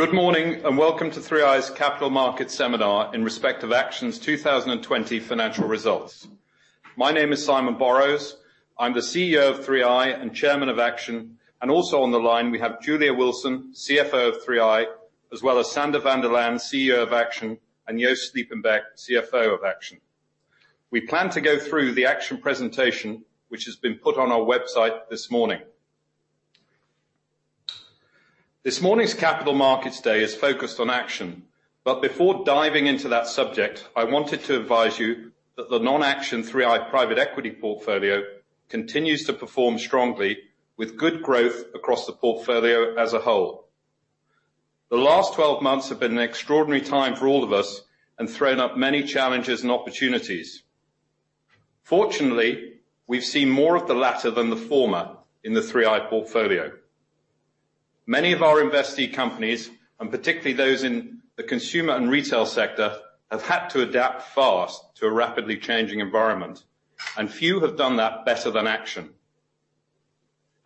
Good morning, and welcome to 3i's Capital Markets Seminar in respect of Action's 2020 financial results. My name is Simon Borrows. I'm the CEO of 3i and Chairman of Action, and also on the line we have Julia Wilson, CFO of 3i, as well as Sander van der Laan, CEO of Action, and Joost Sliepenbeek, CFO of Action. We plan to go through the Action presentation, which has been put on our website this morning. This morning's Capital Markets day is focused on Action, but before diving into that subject, I wanted to advise you that the non-Action 3i private equity portfolio continues to perform strongly with good growth across the portfolio as a whole. The last 12 months have been an extraordinary time for all of us and thrown up many challenges and opportunities. Fortunately, we've seen more of the latter than the former in the 3i portfolio. Many of our investee companies, and particularly those in the consumer and retail sector, have had to adapt fast to a rapidly changing environment, and few have done that better than Action.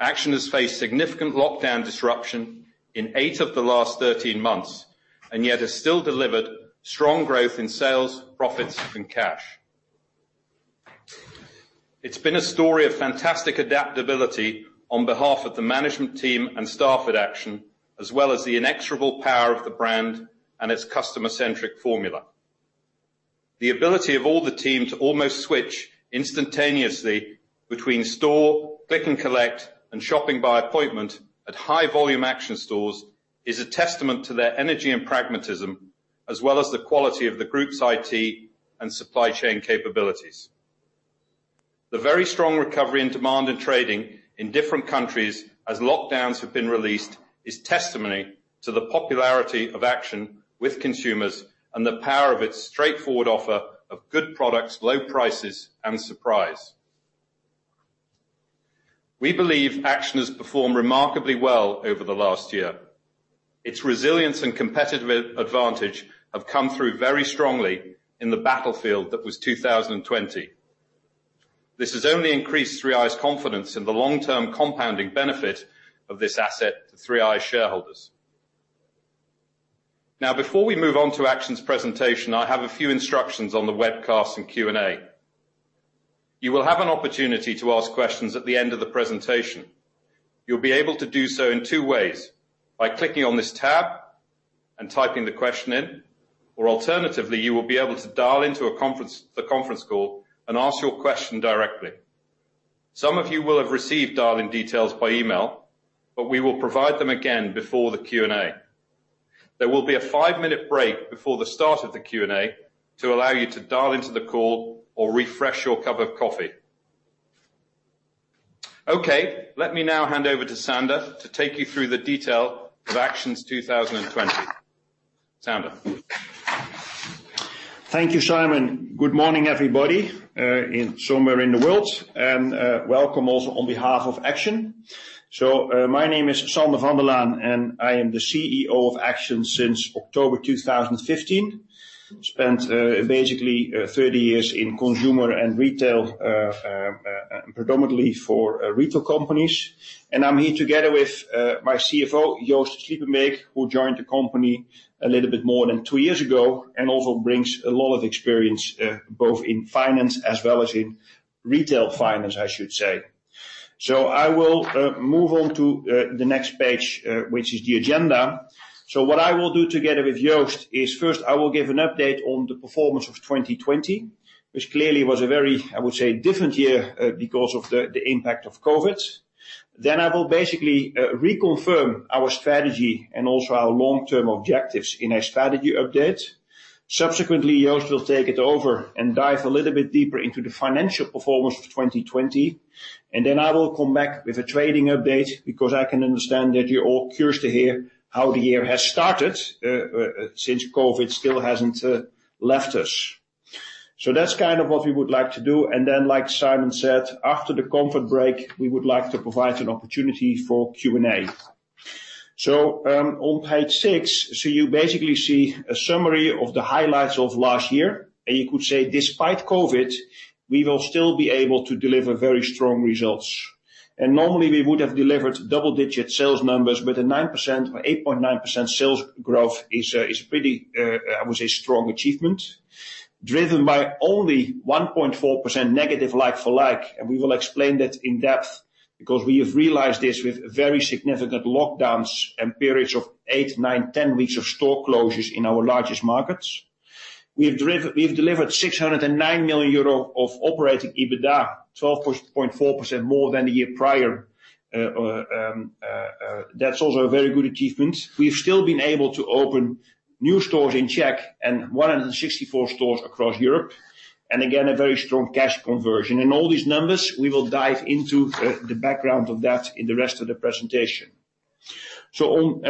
Action has faced significant lockdown disruption in eight of the last 13 months, and yet has still delivered strong growth in sales, profits, and cash. It's been a story of fantastic adaptability on behalf of the management team and staff at Action, as well as the inexorable power of the brand and its customer-centric formula. The ability of all the team to almost switch instantaneously between store, Click and Collect, and shopping by appointment at high volume Action stores is a testament to their energy and pragmatism, as well as the quality of the group's IT and supply chain capabilities. The very strong recovery in demand and trading in different countries as lockdowns have been released is testimony to the popularity of Action with consumers and the power of its straightforward offer of good products, low prices, and surprise. We believe Action has performed remarkably well over the last year. Its resilience and competitive advantage have come through very strongly in the battlefield that was 2020. This has only increased 3i's confidence in the long-term compounding benefit of this asset to 3i's shareholders. Now, before we move on to Action's presentation, I have a few instructions on the webcast and Q&A. You will have an opportunity to ask questions at the end of the presentation. You'll be able to do so in two ways: by clicking on this tab and typing the question in, or alternatively, you will be able to dial into the conference call and ask your question directly. Some of you will have received dial-in details by email, but we will provide them again before the Q&A. There will be a five-minute break before the start of the Q&A to allow you to dial into the call or refresh your cup of coffee. Okay, let me now hand over to Sander to take you through the detail of Action's 2020. Sander. Thank you, Simon. Good morning, everybody, somewhere in the world, and welcome also on behalf of Action. My name is Sander van der Laan, and I am the CEO of Action since October 2015. Spent basically 30 years in consumer and retail, predominantly for retail companies. I'm here together with my CFO, Joost Sliepenbeek, who joined the company a little bit more than two years ago and also brings a lot of experience both in finance as well as in retail finance, I should say. I will move on to the next page, which is the agenda. What I will do together with Joost is first I will give an update on the performance of 2020, which clearly was a very, I would say, different year because of the impact of COVID. I will basically reconfirm our strategy and also our long-term objectives in a strategy update. Subsequently, Joost will take it over and dive a little bit deeper into the financial performance for 2020, and then I will come back with a trading update because I can understand that you're all curious to hear how the year has started, since COVID still hasn't left us. That's kind of what we would like to do, and then, like Simon said, after the comfort break, we would like to provide an opportunity for Q&A. On page six, you basically see a summary of the highlights of last year. You could say despite COVID, we will still be able to deliver very strong results. Normally we would have delivered double-digit sales numbers, but a 9% or 8.9% sales growth is pretty, I would say, strong achievement, driven by only -1.4% like-for-like. We will explain that in depth because we have realized this with very significant lockdowns and periods of eight, nine, 10 weeks of store closures in our largest markets. We've delivered 609 million euro of operating EBITDA, 12.4% more than the year prior. That's also a very good achievement. We've still been able to open new stores in Czech and 164 stores across Europe. Again, a very strong cash conversion. All these numbers, we will dive into the background of that in the rest of the presentation. On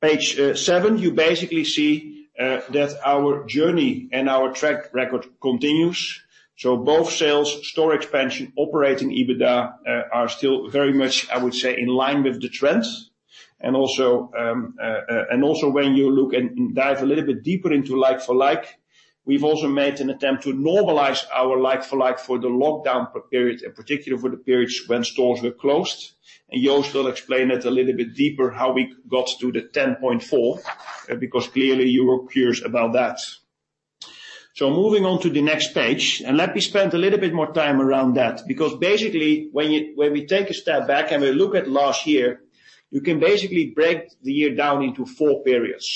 page seven, you basically see that our journey and our track record continues for both sales, store expansion, operating EBITDA are still very much, I would say, in line with the trends. Also when you look and dive a little bit deeper into like-for-like, we've also made an attempt to normalize our like-for-like for the lockdown period and particularly for the periods when stores were closed. Joost will explain it a little bit deeper how we got to the 10.4%, because clearly you were curious about that. Moving on to the next page, and let me spend a little bit more time around that, because basically, when we take a step back and we look at last year, you can basically break the year down into four periods.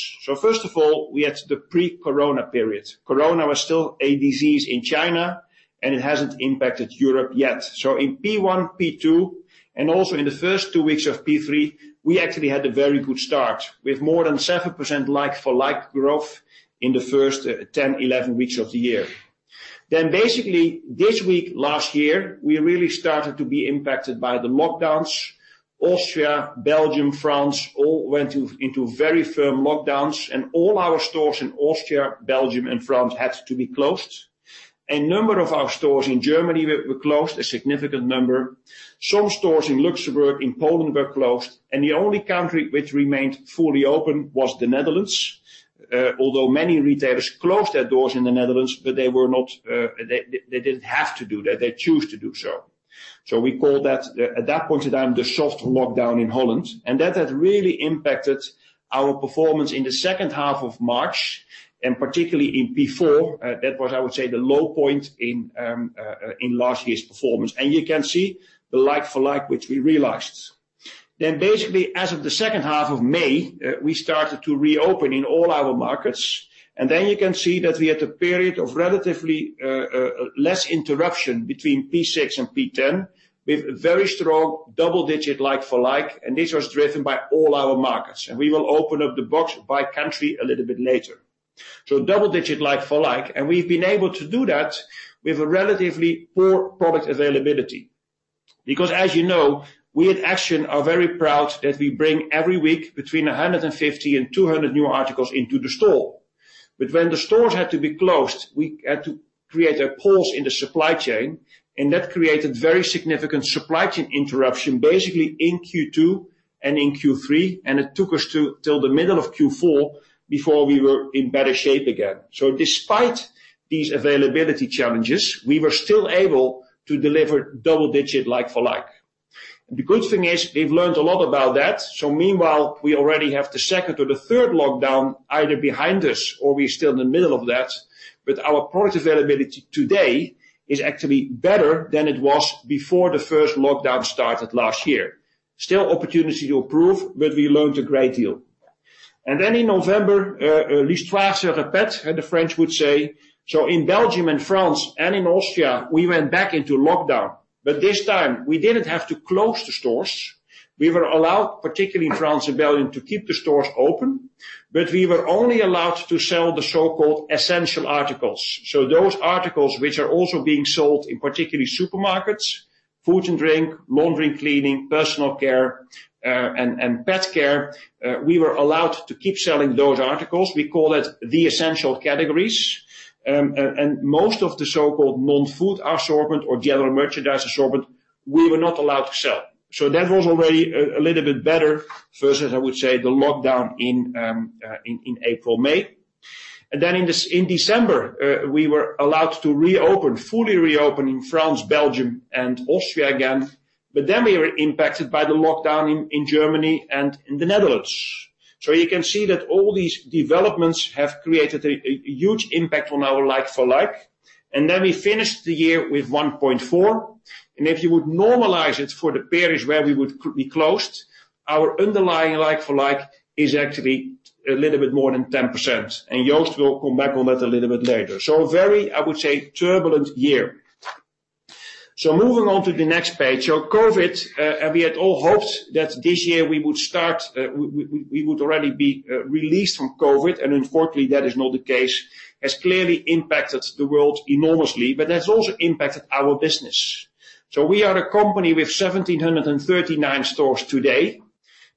First of all, we had the pre-corona period. Corona was still a disease in China, and it hasn't impacted Europe yet. In P1, P2, and also in the first two weeks of P3, we actually had a very good start with more than 7% like-for-like growth in the first 10 weeks, 11 weeks of the year. Basically, this week last year, we really started to be impacted by the lockdowns. Austria, Belgium, France, all went into very firm lockdowns, and all our stores in Austria, Belgium, and France had to be closed. A number of our stores in Germany were closed, a significant number. Some stores in Luxembourg, in Poland were closed, and the only country which remained fully open was the Netherlands. Although many retailers closed their doors in the Netherlands, but they didn't have to do that, they choose to do so. We called that, at that point in time, the soft lockdown in Holland, and that had really impacted our performance in the second half of March, and particularly in P4. That was, I would say, the low point in last year's performance. You can see the like-for-like, which we realized. Basically, as of the second half of May, we started to reopen in all our markets, and then you can see that we had a period of relatively less interruption between P6 and P10, with very strong double-digit like-for-like, and this was driven by all our markets. We will open up the box by country a little bit later. Double-digit like-for-like, and we've been able to do that with a relatively poor product availability. As you know, we at Action are very proud that we bring every week between 150 and 200 new articles into the store. When the stores had to be closed, we had to create a pause in the supply chain, and that created very significant supply chain interruption, basically in Q2 and in Q3, and it took us till the middle of Q4 before we were in better shape again. Despite these availability challenges, we were still able to deliver double-digit like-for-like. The good thing is, we've learned a lot about that. Meanwhile, we already have the second or the third lockdown either behind us or we're still in the middle of that. Our product availability today is actually better than it was before the first lockdown started last year. Still opportunity to improve, but we learned a great deal. Then in November, as the French would say, so in Belgium and France and in Austria, we went back into lockdown. This time, we didn't have to close the stores. We were allowed, particularly in France and Belgium, to keep the stores open, but we were only allowed to sell the so-called essential articles. Those articles which are also being sold in particularly supermarkets, food and drink, laundry and cleaning, personal care, and pet care, we were allowed to keep selling those articles. We call it the essential categories. Most of the so-called non-food assortment or general merchandise assortment, we were not allowed to sell. That was already a little bit better versus, I would say, the lockdown in April, May. Then in December, we were allowed to reopen, fully reopen in France, Belgium and Austria again. We were impacted by the lockdown in Germany and in the Netherlands. You can see that all these developments have created a huge impact on our like-for-like. We finished the year with 1.4%. If you would normalize it for the periods where we would be closed, our underlying like-for-like is actually a little bit more than 10%, and Joost will come back on that a little bit later. Very, I would say, turbulent year. Moving on to the next page. COVID, we had all hoped that this year we would already be released from COVID, and unfortunately, that is not the case, has clearly impacted the world enormously, but has also impacted our business. We are a company with 1,739 stores today.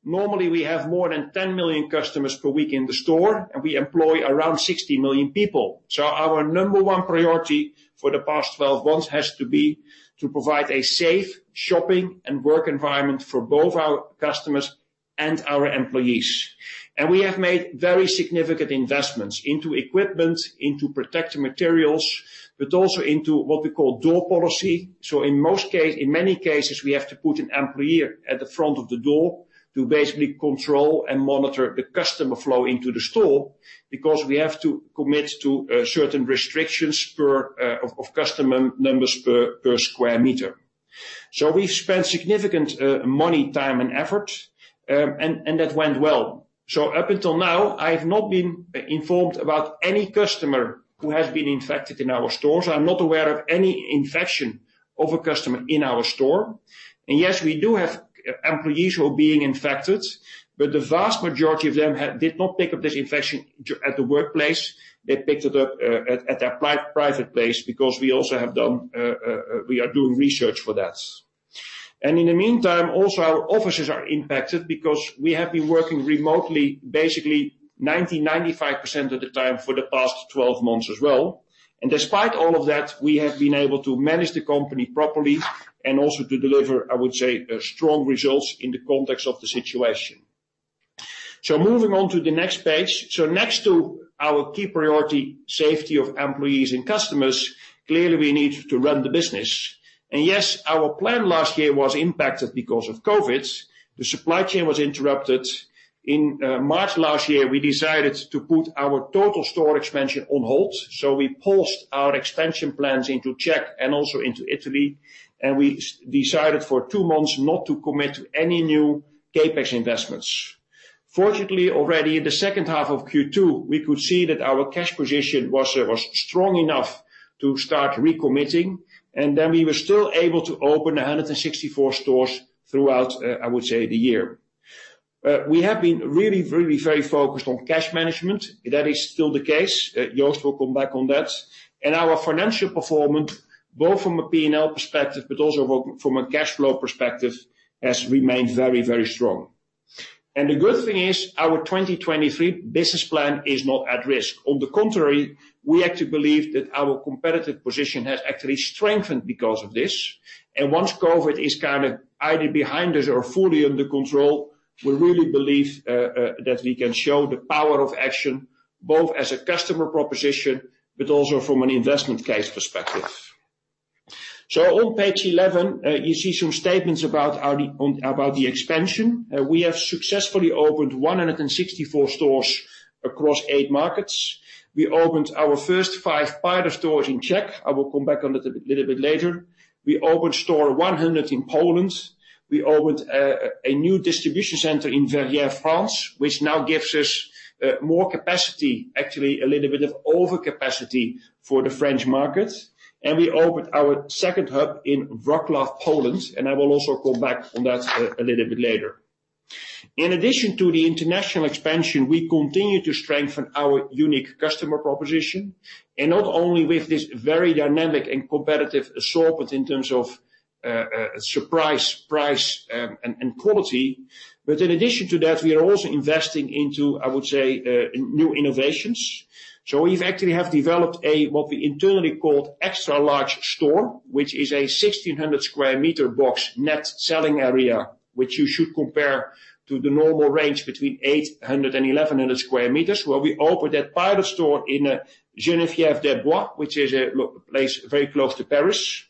Normally, we have more than 10 million customers per week in the store. We employ around 60,000 people. Our number one priority for the past 12 months has to be to provide a safe shopping and work environment for both our customers and our employees. We have made very significant investments into equipment, into protective materials, but also into what we call door policy. In many cases, we have to put an employee at the front of the door to basically control and monitor the customer flow into the store because we have to commit to certain restrictions of customer numbers per square meter. We've spent significant money, time and effort. That went well. Up until now, I have not been informed about any customer who has been infected in our stores. I'm not aware of any infection of a customer in our store. Yes, we do have employees who are being infected, but the vast majority of them did not pick up this infection at the workplace. They picked it up at their private place because we are doing research for that. In the meantime, also our offices are impacted because we have been working remotely, basically 90%, 95% of the time for the past 12 months as well. Despite all of that, we have been able to manage the company properly and also to deliver, I would say, strong results in the context of the situation. Moving on to the next page. Next to our key priority, safety of employees and customers. Clearly, we need to run the business. Yes, our plan last year was impacted because of COVID. The supply chain was interrupted. In March last year, we decided to put our total store expansion on hold. We paused our expansion plans into Czech and also into Italy, and we decided for two months not to commit to any new CapEx investments. Fortunately, already in the second half of Q2, we could see that our cash position was strong enough to start recommitting, and then we were still able to open 164 stores throughout, I would say, the year. We have been really, very focused on cash management. That is still the case. Joost will come back on that. Our financial performance, both from a P&L perspective but also from a cash flow perspective, has remained very, very strong. The good thing is, our 2023 business plan is not at risk. On the contrary, we actually believe that our competitive position has actually strengthened because of this. Once COVID is either behind us or fully under control, we really believe that we can show the power of Action, both as a customer proposition, but also from an investment case perspective. On page 11, you see some statements about the expansion. We have successfully opened 164 stores across eight markets. We opened our first five pilot stores in Czech. I will come back on it a little bit later. We opened store 100 in Poland. We opened a new distribution center in Verrières, France, which now gives us more capacity, actually, a little bit of overcapacity for the French market. We opened our second hub in Wrocław, Poland, and I will also go back on that a little bit later. In addition to the international expansion, we continue to strengthen our unique customer proposition, not only with this very dynamic and competitive assortment in terms of surprise, price, and quality. In addition to that, we are also investing into, I would say, new innovations. We've actually developed a what we internally called extra large store, which is a 1,600 sq m box net selling area, which you should compare to the normal range between 800 sq m and 1,100 sq m, where we opened that pilot store in Sainte-Geneviève-des-Bois, which is a place very close to Paris.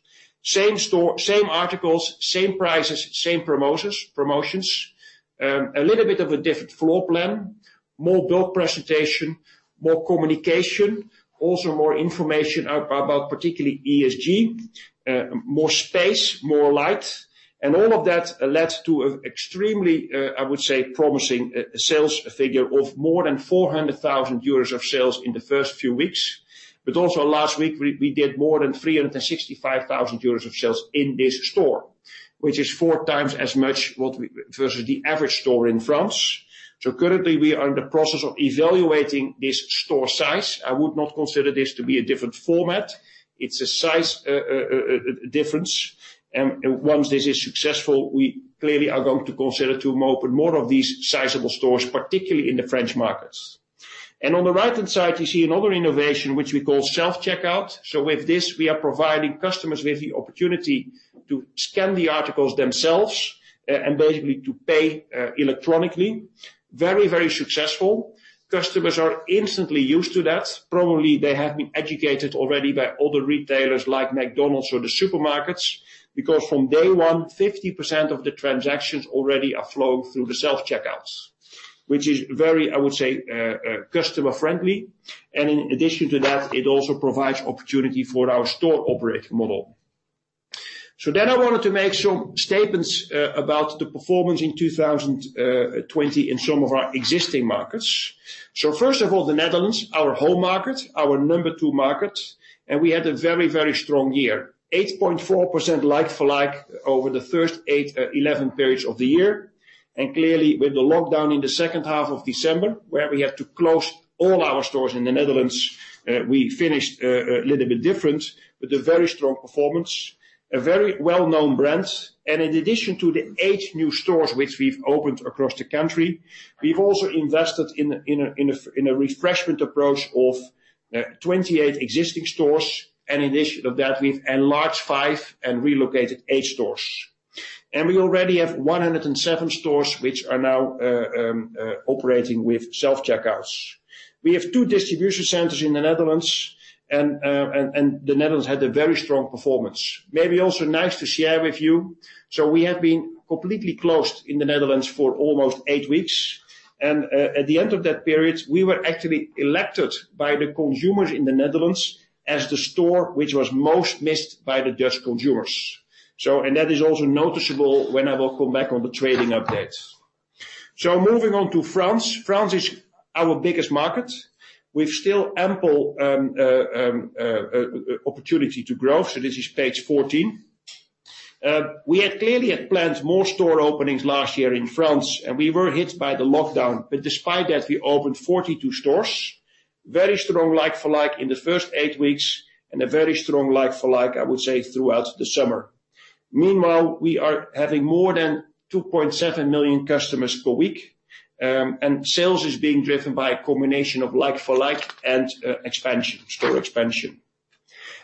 Same store, same articles, same prices, same promotions. A little bit of a different floor plan, more build presentation, more communication, also more information about particularly ESG, more space, more light. All of that led to extremely, I would say, promising sales figure of more than 400,000 euros of sales in the first few weeks. Also last week, we did more than 365,000 euros of sales in this store, which is four times as much versus the average store in France. Currently, we are in the process of evaluating this store size. I would not consider this to be a different format. It's a size difference. Once this is successful, we clearly are going to consider to open more of these sizable stores, particularly in the French markets. On the right-hand side, you see another innovation, which we call self-checkout. With this, we are providing customers with the opportunity to scan the articles themselves and basically to pay electronically. Very, very successful. Customers are instantly used to that. Probably they have been educated already by other retailers like McDonald's or the supermarkets, because from day one, 50% of the transactions already are flowing through the self-checkouts, which is very, I would say, customer-friendly. In addition to that, it also provides opportunity for our store operate model. I wanted to make some statements about the performance in 2020 in some of our existing markets. First of all, the Netherlands, our home market, our number two market, we had a very, very strong year, 8.4% like-for-like over the first eight period, 11 periods of the year. Clearly, with the lockdown in the second half of December, where we had to close all our stores in the Netherlands, we finished a little bit different, with a very strong performance, a very well-known brand. In addition to the eight new stores which we've opened across the country, we've also invested in a refreshment approach of 28 existing stores. In addition to that, we've enlarged five stores and relocated 8 stores. We already have 107 stores which are now operating with self-checkouts. We have two distribution centers in the Netherlands, and the Netherlands had a very strong performance. Maybe also nice to share with you, we have been completely closed in the Netherlands for almost eight weeks. At the end of that period, we were actually elected by the consumers in the Netherlands as the store which was most missed by the Dutch consumers. That is also noticeable when I will come back on the trading updates. Moving on to France. France is our biggest market with still ample opportunity to grow. This is page 14. We had clearly had planned more store openings last year in France, and we were hit by the lockdown. Despite that, we opened 42 stores. Very strong like-for-like in the first eight weeks and a very strong like-for-like, I would say, throughout the summer. Meanwhile, we are having more than 2.7 million customers per week, and sales is being driven by a combination of like-for-like and expansion, store expansion.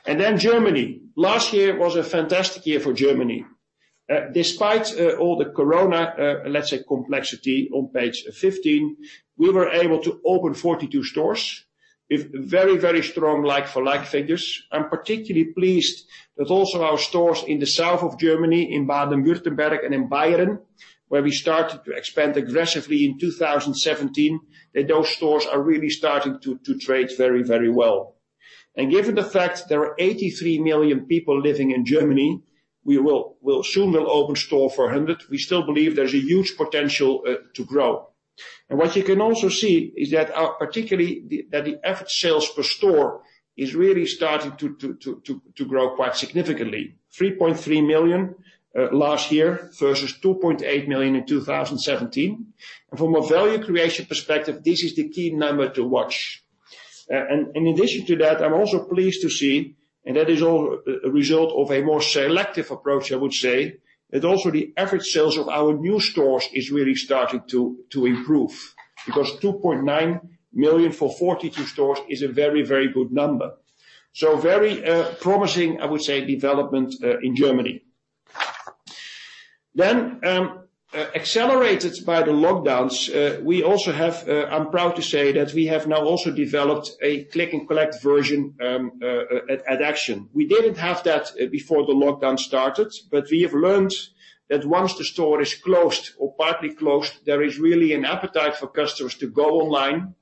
Germany. Last year was a fantastic year for Germany. Despite all the corona, let's say, complexity on page 15, we were able to open 42 stores with very strong like-for-like figures. I'm particularly pleased that also our stores in the south of Germany, in Baden-Württemberg and in Bayern, where we started to expand aggressively in 2017, that those stores are really starting to trade very well. Given the fact there are 83 million people living in Germany, we will soon open store 400. We still believe there's a huge potential to grow. What you can also see is that particularly, that the average sales per store is really starting to grow quite significantly, 3.3 million last year versus 2.8 million in 2017. From a value creation perspective, this is the key number to watch. In addition to that, I'm also pleased to see, and that is all a result of a more selective approach, I would say, that also the average sales of our new stores is really starting to improve, because 2.9 million for 42 stores is a very good number. Very promising, I would say, development in Germany. Accelerated by the lockdowns, I'm proud to say that we have now also developed a Click and Collect version at Action. We didn't have that before the lockdown started. We have learnt that once the store is closed or partly closed, there is really an appetite for customers to go online,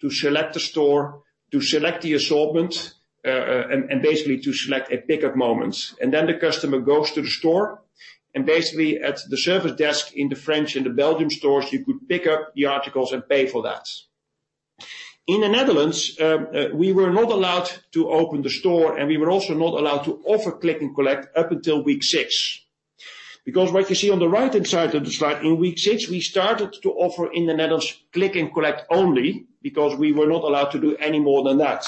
to select the store, to select the assortment, and basically to select a pickup moment. The customer goes to the store, and basically at the service desk in the French and the Belgium stores, you could pick up the articles and pay for that. In the Netherlands, we were not allowed to open the store, and we were also not allowed to offer Click and Collect up until week six. What you see on the right-hand side of the slide, in week six, we started to offer in the Netherlands Click and Collect only, because we were not allowed to do any more than that.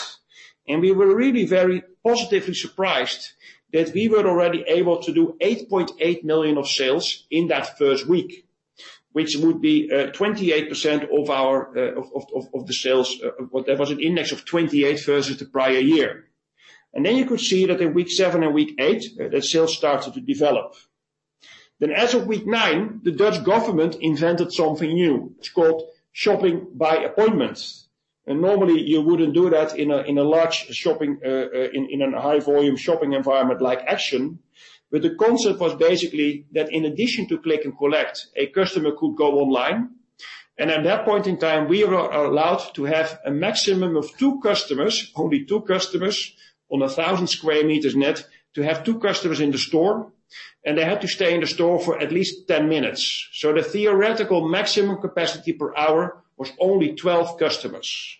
We were really very positively surprised that we were already able to do 8.8 million of sales in that first week, which would be 28% of the sales. There was an index of 28% versus the prior year. You could see that in week seven and week eight, that sales started to develop. As of week nine, the Dutch government invented something new. It is called shopping by appointment. Normally you wouldn't do that in a high volume shopping environment like Action. The concept was basically that in addition to Click and Collect, a customer could go online, and at that point in time, we were allowed to have a maximum of two customers, only two customers on 1,000 sq m net, to have two customers in the store, and they had to stay in the store for at least 10 minutes. The theoretical maximum capacity per hour was only 12 customers.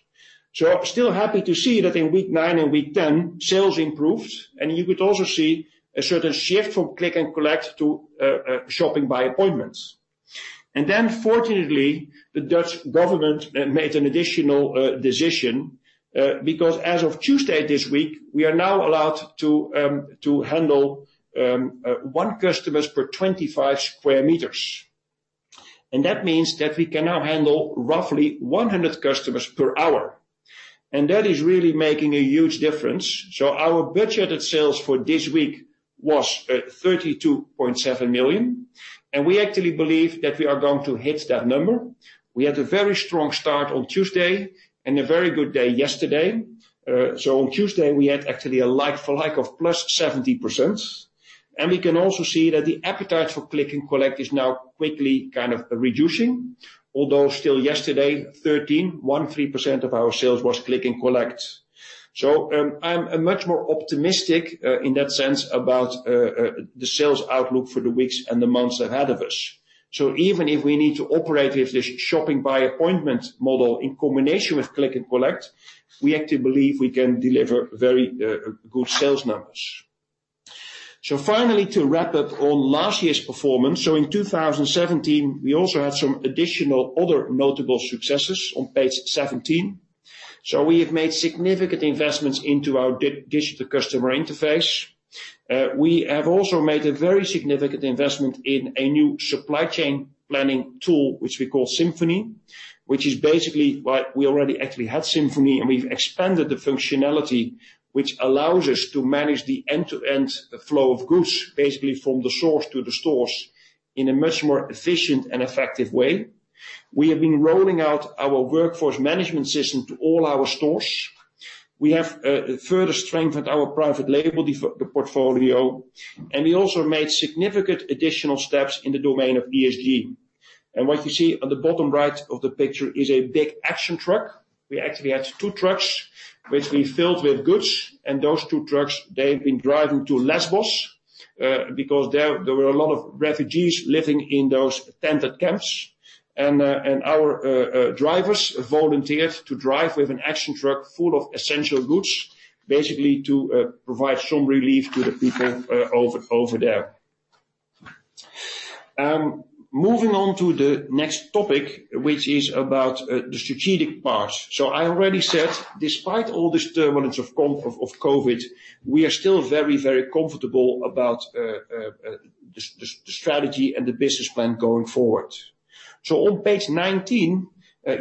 I'm still happy to see that in week nine and week 10, sales improved, and you could also see a certain shift from Click and Collect to shopping by appointment. Then, fortunately, the Dutch government made an additional decision, because as of Tuesday this week, we are now allowed to handle one customer per 25 sq m. That means that we can now handle roughly 100 customers per hour. That is really making a huge difference. Our budgeted sales for this week was 32.7 million. We actually believe that we are going to hit that number. We had a very strong start on Tuesday and a very good day yesterday. On Tuesday, we had actually a like-for-like of +70%. We can also see that the appetite for Click and Collect is now quickly kind of reducing. Although still yesterday, 13% of our sales was Click and Collect. I'm much more optimistic in that sense about the sales outlook for the weeks and the months ahead of us. Even if we need to operate with this shopping-by-appointment model in combination with Click and Collect, we actually believe we can deliver very good sales numbers. Finally, to wrap up on last year's performance. In 2017, we also had some additional other notable successes on page 17. We have made significant investments into our digital customer interface. We have also made a very significant investment in a new supply chain planning tool, which we call Symphony. We already actually had Symphony, and we've expanded the functionality, which allows us to manage the end-to-end flow of goods, basically from the source to the stores, in a much more efficient and effective way. We have been rolling out our workforce management system to all our stores. We have further strengthened our private label portfolio. We also made significant additional steps in the domain of ESG. What you see on the bottom right of the picture is a big Action truck. We actually had two trucks, which we filled with goods, and those two trucks, they've been driving to Lesbos, because there were a lot of refugees living in those tented camps. Our drivers volunteered to drive with an Action truck full of essential goods, basically to provide some relief to the people over there. Moving on to the next topic, which is about the strategic part. I already said, despite all this turbulence of COVID, we are still very comfortable about the strategy and the business plan going forward. On page 19,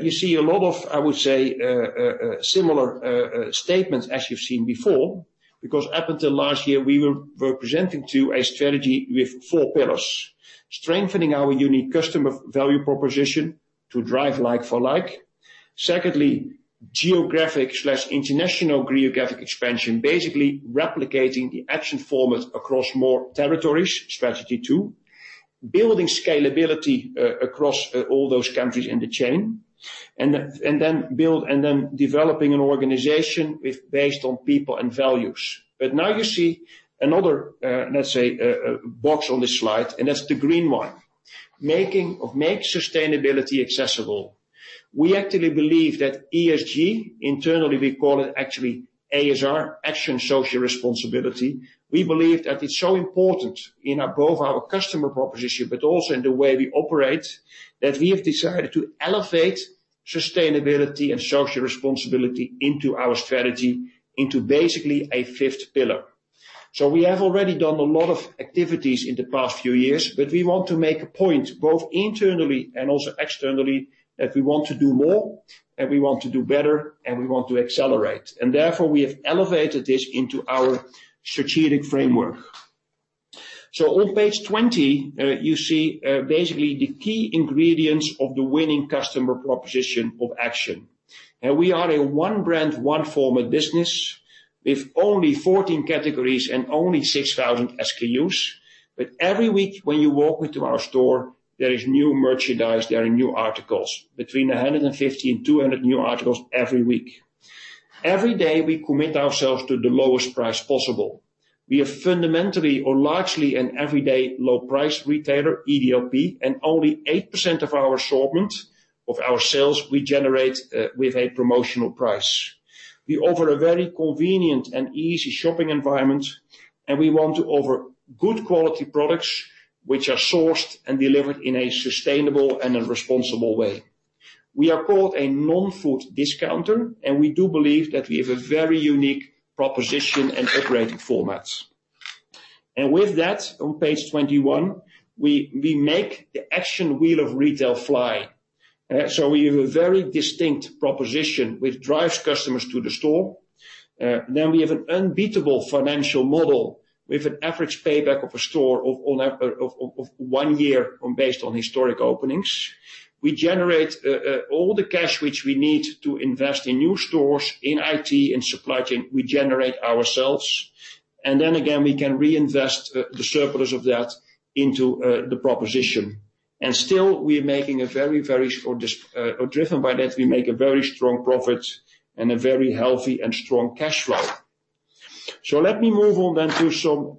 you see a lot of, I would say, similar statements as you've seen before, because up until last year, we were presenting to a strategy with four pillars. Strengthening our unique customer value proposition. To drive like-for-like. Secondly, geographic/international geographic expansion, basically replicating the Action format across more territories, Strategy 2. Building scalability across all those countries in the chain, and then developing an organization based on people and values. Now you see another, let's say, box on this slide, and that's the green one. Make sustainability accessible. We actually believe that ESG, internally, we call it actually ASR, Action Social Responsibility. We believe that it's so important in both our customer proposition but also in the way we operate, that we have decided to elevate sustainability and social responsibility into our strategy, into basically a fifth pillar. We have already done a lot of activities in the past few years, but we want to make a point both internally and also externally, that we want to do more, and we want to do better, and we want to accelerate. Therefore, we have elevated this into our strategic framework. On page 20, you see basically the key ingredients of the winning customer proposition of Action. We are a one-brand, one-format business with only 14 categories and only 6,000 SKUs. Every week when you walk into our store, there is new merchandise, there are new articles, between 150 new articles and 200 new articles every week. Every day we commit ourselves to the lowest price possible. We are fundamentally or largely an everyday low price retailer, EDLP, and only 8% of our assortment of our sales we generate with a promotional price. We offer a very convenient and easy shopping environment. We want to offer good quality products which are sourced and delivered in a sustainable and a responsible way. We are called a non-food discounter. We do believe that we have a very unique proposition and operating formats. With that, on page 21, we make the Action Wheel of Retail fly. We have a very distinct proposition which drives customers to the store. We have an unbeatable financial model with an average payback of a store of one year based on historic openings. We generate all the cash which we need to invest in new stores, in IT, in supply chain, we generate ourselves. Then again, we can reinvest the surplus of that into the proposition. Driven by that, we make a very strong profit and a very healthy and strong cash flow. Let me move on then to some,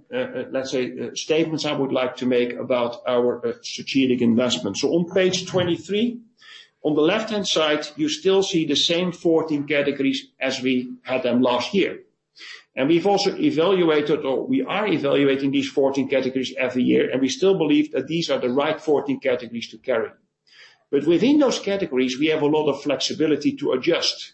let's say, statements I would like to make about our strategic investment. On page 23, on the left-hand side, you still see the same 14 categories as we had them last year. We've also evaluated, or we are evaluating these 14 categories every year, and we still believe that these are the right 14 categories to carry. Within those categories, we have a lot of flexibility to adjust.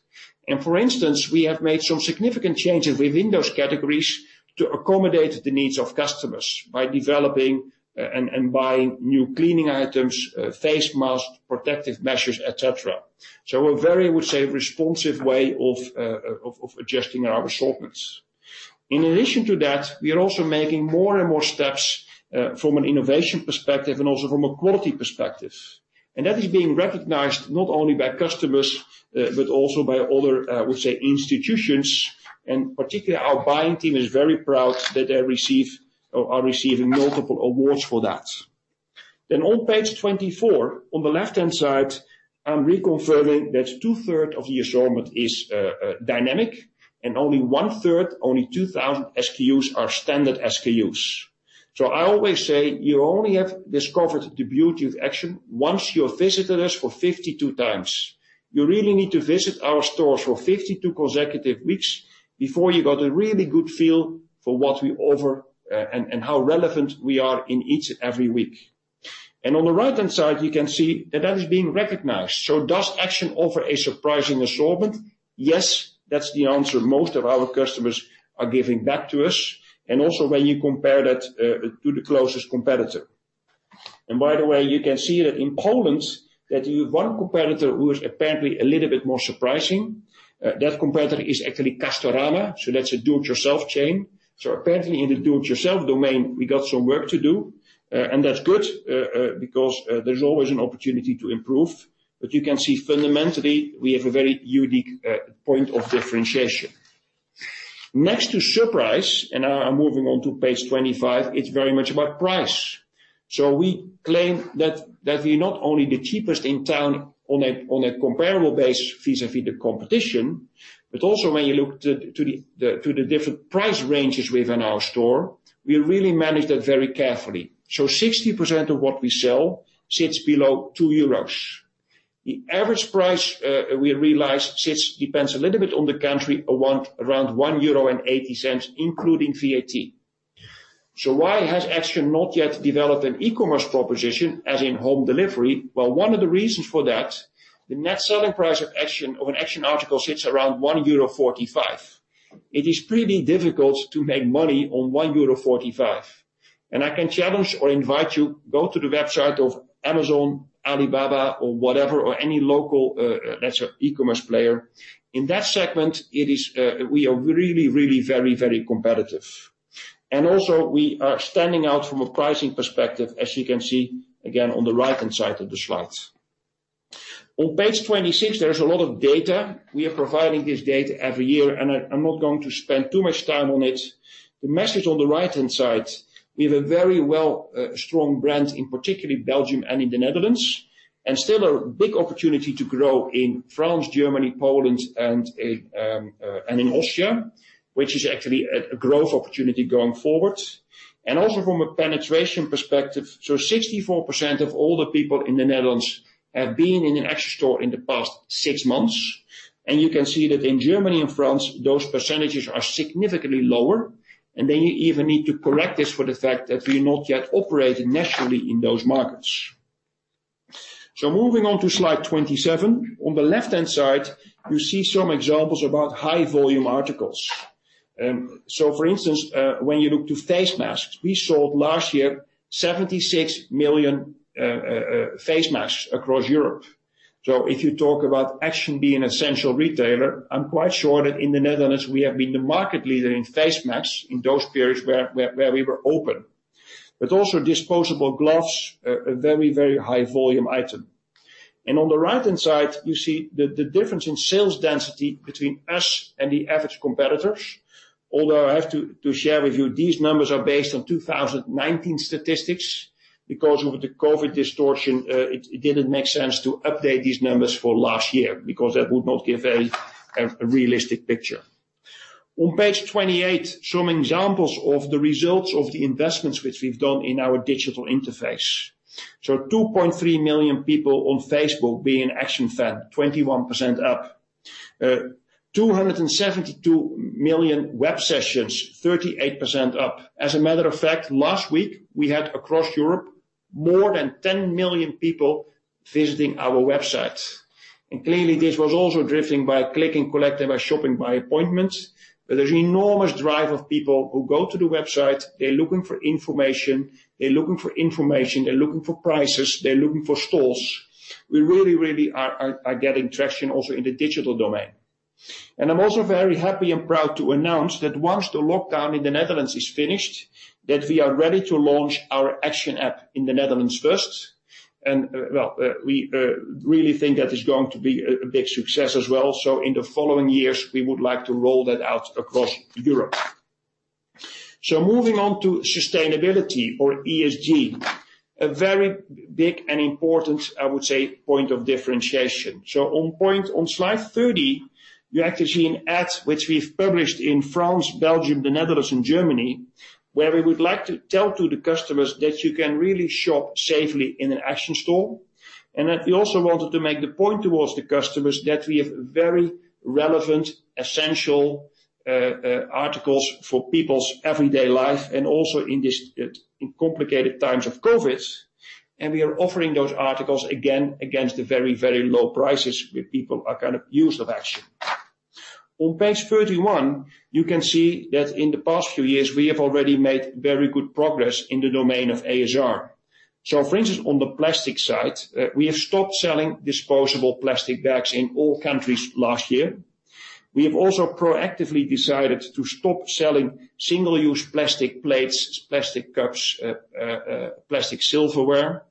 For instance, we have made some significant changes within those categories to accommodate the needs of customers by developing and buying new cleaning items, face masks, protective measures, etc. A very, I would say, responsive way of adjusting our assortments. In addition to that, we are also making more and more steps from an innovation perspective and also from a quality perspective. That is being recognized not only by customers but also by other, I would say, institutions. Particularly our buying team is very proud that they are receiving multiple awards for that. On page 24, on the left-hand side, I'm reconfirming that two-thirds of the assortment is dynamic and only one-third, only 2,000 SKUs are standard SKUs. I always say you only have discovered the beauty of Action once you have visited us for 52 times. You really need to visit our stores for 52 consecutive weeks before you got a really good feel for what we offer and how relevant we are in each and every week. On the right-hand side, you can see that that is being recognized. Does Action offer a surprising assortment? Yes, that's the answer most of our customers are giving back to us, and also when you compare that to the closest competitor. By the way, you can see that in Poland, that you have one competitor who is apparently a little bit more surprising. That competitor is actually Castorama, so that's a do-it-yourself chain. Apparently in the do-it-yourself domain, we got some work to do, and that's good because there's always an opportunity to improve. You can see fundamentally, we have a very unique point of differentiation. Next to surprise, and I'm moving on to page 25, it's very much about price. We claim that we're not only the cheapest in town on a comparable base vis-à-vis the competition, but also when you look to the different price ranges within our store, we really manage that very carefully. 60% of what we sell sits below 2 euros. The average price we realize depends a little bit on the country, around 1.80 euro, including VAT. Why has Action not yet developed an e-commerce proposition as in-home delivery? Well, one of the reasons for that, the net selling price of an Action article sits around 1.45 euro. It is pretty difficult to make money on 1.45 euro. I can challenge or invite you, go to the website of Amazon, Alibaba or whatever, or any local, let's say, e-commerce player. In that segment, we are really, really very, very competitive. Also we are standing out from a pricing perspective, as you can see again on the right-hand side of the slide. On page 26, there's a lot of data. We are providing this data every year, and I'm not going to spend too much time on it. The message on the right-hand side, we have a very well strong brand, in particular Belgium and in the Netherlands, and still a big opportunity to grow in France, Germany, Poland, and in Austria, which is actually a growth opportunity going forward. Also from a penetration perspective, so 64% of all the people in the Netherlands have been in an Action store in the past six months. You can see that in Germany and France, those percentages are significantly lower, and then you even need to correct this for the fact that we're not yet operating nationally in those markets. Moving on to slide 27. On the left-hand side, you see some examples about high volume articles. For instance, when you look to face masks, we sold last year 76 million face masks across Europe. If you talk about Action being an essential retailer, I'm quite sure that in the Netherlands, we have been the market leader in face masks in those periods where we were open. Also disposable gloves, a very high volume item. On the right-hand side, you see the difference in sales density between us and the average competitors. Although I have to share with you, these numbers are based on 2019 statistics because with the COVID distortion, it didn't make sense to update these numbers for last year because that would not give a realistic picture. On page 28, some examples of the results of the investments which we've done in our digital interface. 2.3 million people on Facebook being Action fan, 21% up. 272 million web sessions, 38% up. As a matter of fact, last week, we had across Europe, more than 10 million people visiting our website. Clearly this was also driven by Click and Collect, by shopping by appointment, but there's enormous drive of people who go to the website. They're looking for information, they're looking for prices, they're looking for stores. We really are getting traction also in the digital domain. I'm also very happy and proud to announce that once the lockdown in the Netherlands is finished, that we are ready to launch our Action app in the Netherlands first. Well, we really think that is going to be a big success as well. In the following years, we would like to roll that out across Europe. Moving on to sustainability or ESG, a very big and important, I would say, point of differentiation. On slide 30, you actually see an ad which we've published in France, Belgium, the Netherlands, and Germany, where we would like to tell to the customers that you can really shop safely in an Action store. That we also wanted to make the point towards the customers that we have very relevant, essential, articles for people's everyday life and also in this, in complicated times of COVID. We are offering those articles again against the very low prices which people are kind of used of Action. On page 31, you can see that in the past few years, we have already made very good progress in the domain of ASR. For instance, on the plastic side, we have stopped selling disposable plastic bags in all countries last year. We have also proactively decided to stop selling single-use plastic plates, plastic cups, plastic silverware.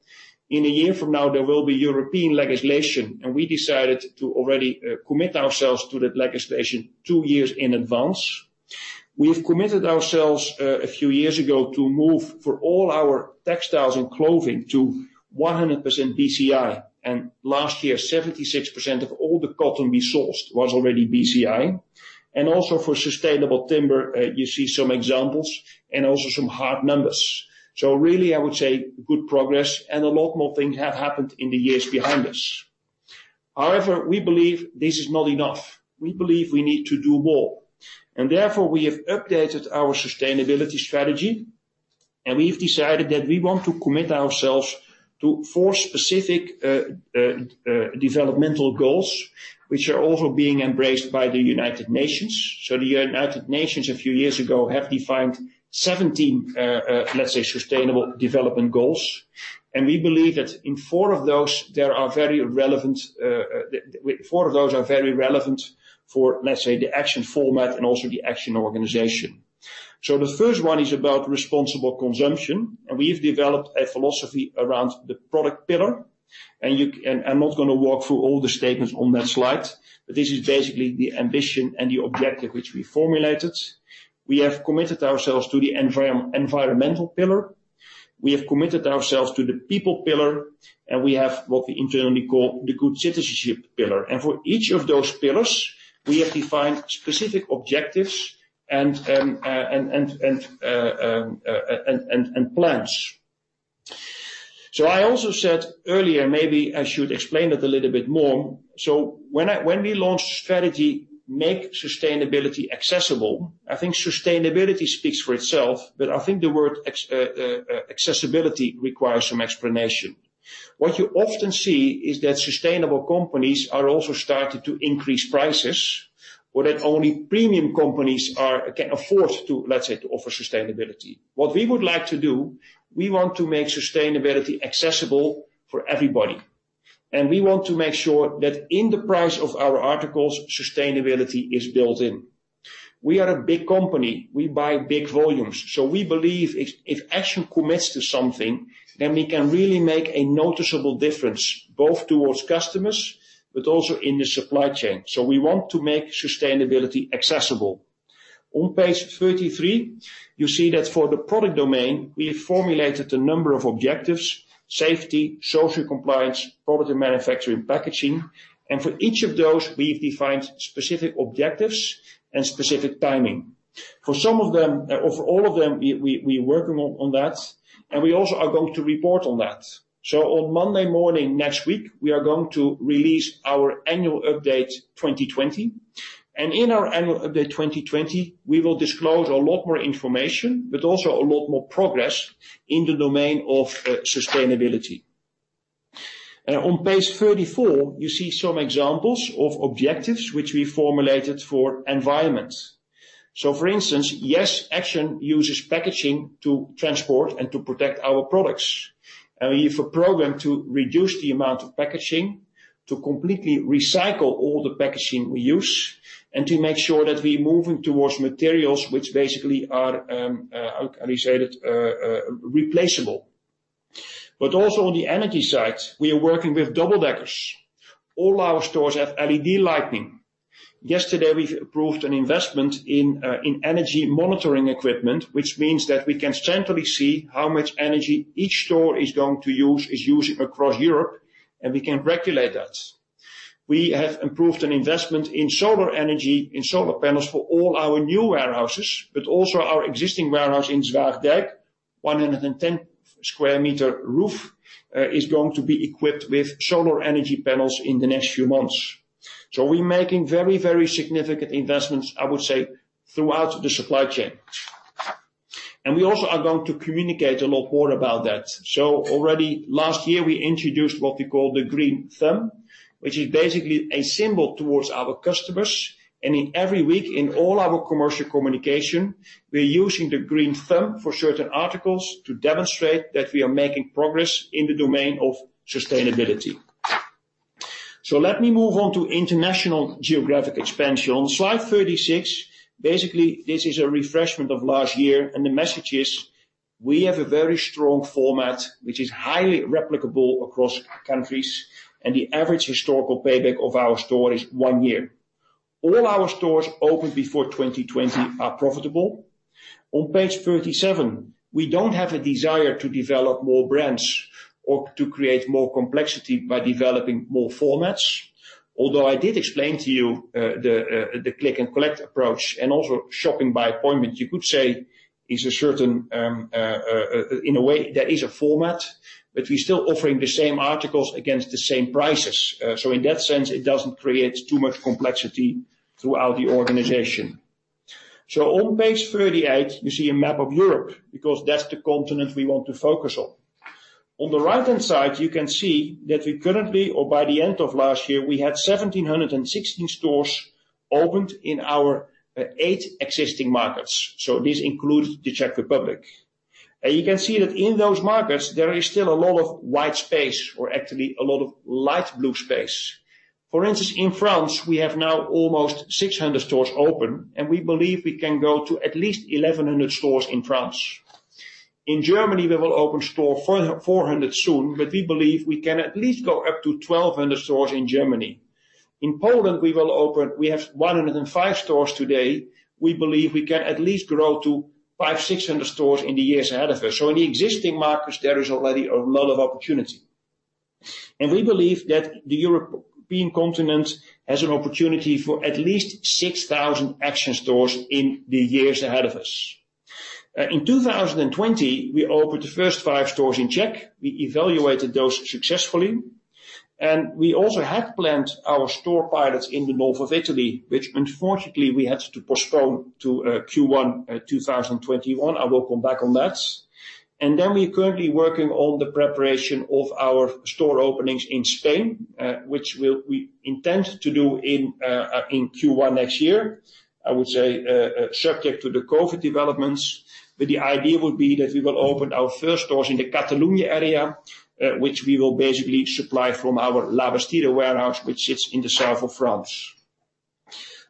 In a year from now, there will be European legislation, and we decided to already commit ourselves to that legislation two years in advance. We have committed ourselves, a few years ago, to move for all our textiles and clothing to 100% BCI, and last year, 76% of all the cotton we sourced was already BCI. Also for sustainable timber, you see some examples and also some hard numbers. Really, I would say good progress and a lot more things have happened in the years behind us. However, we believe this is not enough. We believe we need to do more. Therefore, we have updated our sustainability strategy, and we've decided that we want to commit ourselves to four specific developmental goals, which are also being embraced by the United Nations. The United Nations, a few years ago, have defined 17, let's say, sustainable development goals. We believe that four of those are very relevant for, let's say, the Action format and also the Action organization. The first one is about responsible consumption, and we've developed a philosophy around the product pillar. I'm not going to walk through all the statements on that slide, but this is basically the ambition and the objective which we formulated. We have committed ourselves to the environmental pillar. We have committed ourselves to the people pillar, and we have what we internally call the good citizenship pillar. For each of those pillars, we have defined specific objectives and plans. I also said earlier, maybe I should explain it a little bit more. When we launched strategy, make sustainability accessible, I think sustainability speaks for itself, but I think the word accessibility requires some explanation. What you often see is that sustainable companies are also starting to increase prices, or that only premium companies can afford to, let's say, to offer sustainability. What we would like to do, we want to make sustainability accessible for everybody. We want to make sure that in the price of our articles, sustainability is built in. We are a big company. We buy big volumes. We believe if Action commits to something, then we can really make a noticeable difference, both towards customers, but also in the supply chain. We want to make sustainability accessible. On page 33, you see that for the product domain, we have formulated a number of objectives, safety, social compliance, product and manufacturing, packaging. For each of those, we've defined specific objectives and specific timing. For all of them, we're working on that, and we also are going to report on that. On Monday morning next week, we are going to release our annual update 2020. In our annual update 2020, we will disclose a lot more information, but also a lot more progress in the domain of sustainability. On page 34, you see some examples of objectives which we formulated for environment. For instance, yes, Action uses packaging to transport and to protect our products. We have a program to reduce the amount of packaging, to completely recycle all the packaging we use, and to make sure that we're moving towards materials which basically are, how can we say it, replaceable. Also on the energy side, we are working with double-decker trucks. All our stores have LED lighting. Yesterday, we've approved an investment in energy monitoring equipment, which means that we can centrally see how much energy each store is going to use, is using across Europe, and we can regulate that. We have approved an investment in solar energy, in solar panels for all our new warehouses, but also our existing warehouse in Zwaagdijk, 110 sq m roof is going to be equipped with solar energy panels in the next few months. We're making very, very significant investments, I would say, throughout the supply chain. We also are going to communicate a lot more about that. Already last year, we introduced what we call the green thumb, which is basically a symbol towards our customers. In every week in all our commercial communication, we're using the green thumb for certain articles to demonstrate that we are making progress in the domain of sustainability. Let me move on to international geographic expansion. Slide 36, basically, this is a refreshment of last year, and the message is, we have a very strong format, which is highly replicable across countries, and the average historical payback of our store is one year. All our stores opened before 2020 are profitable. On page 37, we don't have a desire to develop more brands or to create more complexity by developing more formats. Although I did explain to you the Click and Collect approach and also shopping by appointment, you could say, in a way that is a format, we're still offering the same articles against the same prices. In that sense, it doesn't create too much complexity throughout the organization. On page 38, you see a map of Europe, because that's the continent we want to focus on. On the right-hand side, you can see that we currently, or by the end of last year, we had 1,716 stores opened in our eight existing markets. This includes the Czech Republic. You can see that in those markets, there is still a lot of white space, or actually a lot of light blue space. For instance, in France, we have now almost 600 stores open, and we believe we can go to at least 1,100 stores in France. In Germany, we will open store 400 soon. We believe we can at least go up to 1,200 stores in Germany. In Poland, we have 105 stores today. We believe we can at least grow to 500-600 stores in the years ahead of us. In the existing markets, there is already a lot of opportunity. We believe that the European continent has an opportunity for at least 6,000 Action stores in the years ahead of us. In 2020, we opened the first five stores in Czech. We evaluated those successfully. We also had planned our store pilots in the north of Italy, which unfortunately we had to postpone to Q1 2021. I will come back on that. We're currently working on the preparation of our store openings in Spain, which we intend to do in Q1 next year, I would say, subject to the COVID developments. The idea would be that we will open our first stores in the Catalunya area, which we will basically supply from our La Bastide warehouse, which sits in the south of France.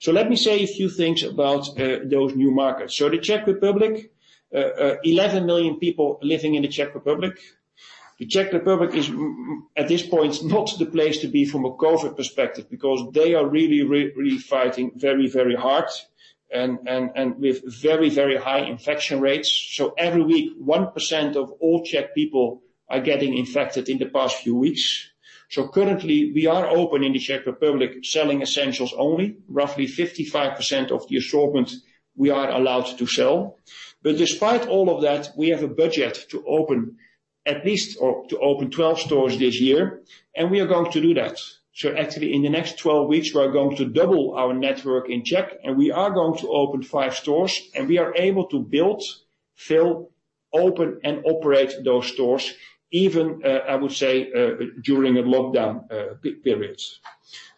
Let me say a few things about those new markets. The Czech Republic, 11 million people living in the Czech Republic. The Czech Republic is at this point, not the place to be from a COVID perspective, because they are really fighting very, very hard and with very, very high infection rates. Every week, 1% of all Czech people are getting infected in the past few weeks. Currently, we are open in the Czech Republic, selling essentials only, roughly 55% of the assortment we are allowed to sell. Despite all of that, we have a budget to open 12 stores this year, and we are going to do that. Actually, in the next 12 weeks, we are going to double our network in Czech, and we are going to open five stores, and we are able to build, fill, open, and operate those stores, even, I would say, during a lockdown periods.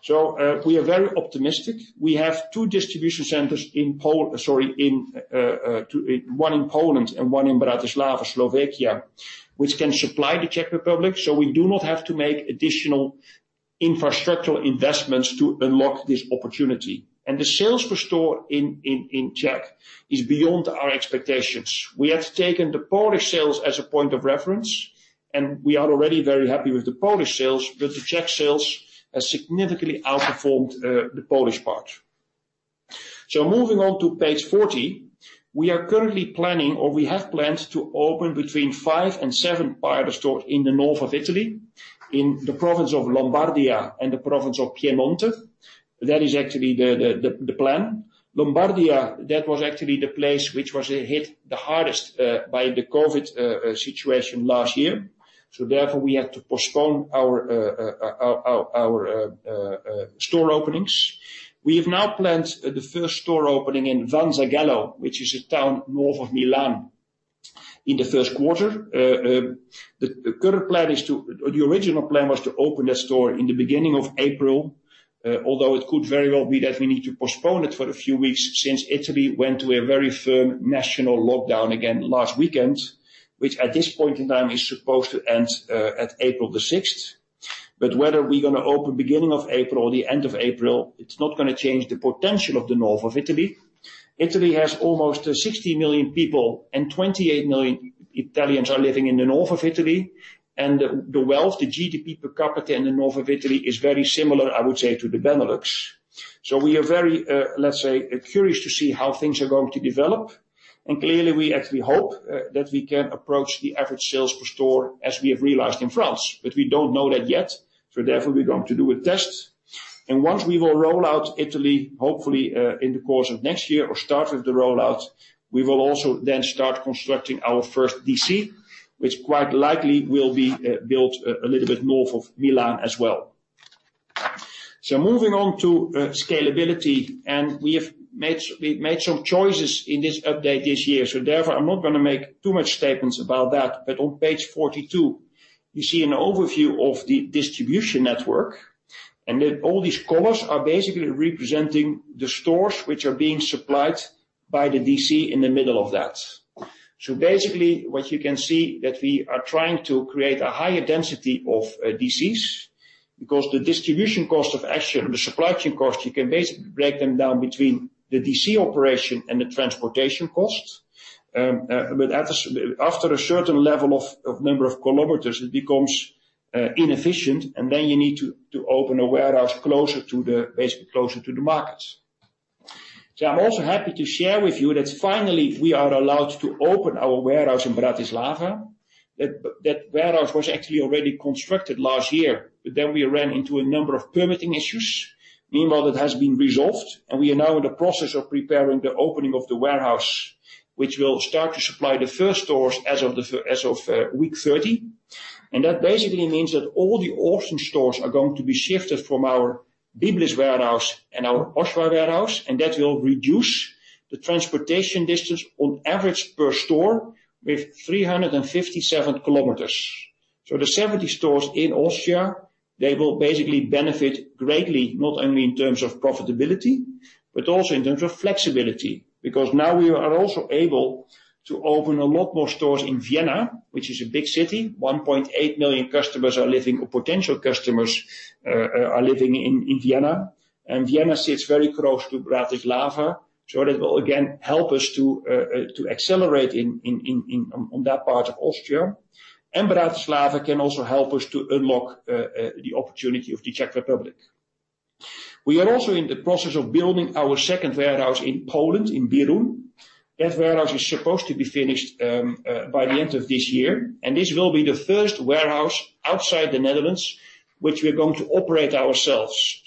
We are very optimistic. We have two distribution centers, one in Poland and one in Bratislava, Slovakia, which can supply the Czech Republic. We do not have to make additional infrastructural investments to unlock this opportunity. The sales per store in Czech is beyond our expectations. We have taken the Polish sales as a point of reference, and we are already very happy with the Polish sales, but the Czech sales has significantly outperformed the Polish part. Moving on to page 40. We are currently planning, or we have planned to open between five and seven pilot stores in the north of Italy, in the province of Lombardia and the province of Piemonte. That is actually the plan. Lombardia, that was actually the place which was hit the hardest by the COVID situation last year. Therefore, we had to postpone our store openings. We have now planned the first store opening in Vanzaghello, which is a town north of Milan. In the first quarter, the original plan was to open that store in the beginning of April, although it could very well be that we need to postpone it for a few weeks since Italy went to a very firm national lockdown again last weekend, which at this point in time is supposed to end at April 6th. Whether we're going to open beginning of April or the end of April, it's not going to change the potential of the north of Italy. Italy has almost 60 million people, and 28 million Italians are living in the north of Italy, and the wealth, the GDP per capita in the north of Italy is very similar, I would say, to the Benelux. We are very, let's say, curious to see how things are going to develop. Clearly, we actually hope that we can approach the average sales per store as we have realized in France. We don't know that yet, so therefore, we're going to do a test. Once we will roll out Italy, hopefully, in the course of next year or start with the rollout, we will also then start constructing our first DC, which quite likely will be built a little bit north of Milan as well. Moving on to scalability, and we've made some choices in this update this year. Therefore, I'm not going to make too much statements about that, but on page 42, you see an overview of the distribution network, and all these colors are basically representing the stores which are being supplied by the DC in the middle of that. Basically, what you can see that we are trying to create a higher density of DCs because the distribution cost of Action, the supply chain cost, you can basically break them down between the DC operation and the transportation cost. After a certain level of number of kilometers, it becomes inefficient, and then you need to open a warehouse basically closer to the markets. I'm also happy to share with you that finally we are allowed to open our warehouse in Bratislava. That warehouse was actually already constructed last year, we ran into a number of permitting issues. Meanwhile, that has been resolved, and we are now in the process of preparing the opening of the warehouse, which will start to supply the first stores as of week 30. That basically means that all the Austrian stores are going to be shifted from our Biblis warehouse and our Austria warehouse, and that will reduce the transportation distance on average per store with 357 km. The 70 stores in Austria, they will basically benefit greatly, not only in terms of profitability, but also in terms of flexibility, because now we are also able to open a lot more stores in Vienna, which is a big city. 1.8 million potential customers are living in Vienna. Vienna sits very close to Bratislava. That will again help us to accelerate on that part of Austria. Bratislava can also help us to unlock the opportunity of the Czech Republic. We are also in the process of building our second warehouse in Poland, in Bieruń. That warehouse is supposed to be finished by the end of this year, this will be the first warehouse outside the Netherlands, which we're going to operate ourselves.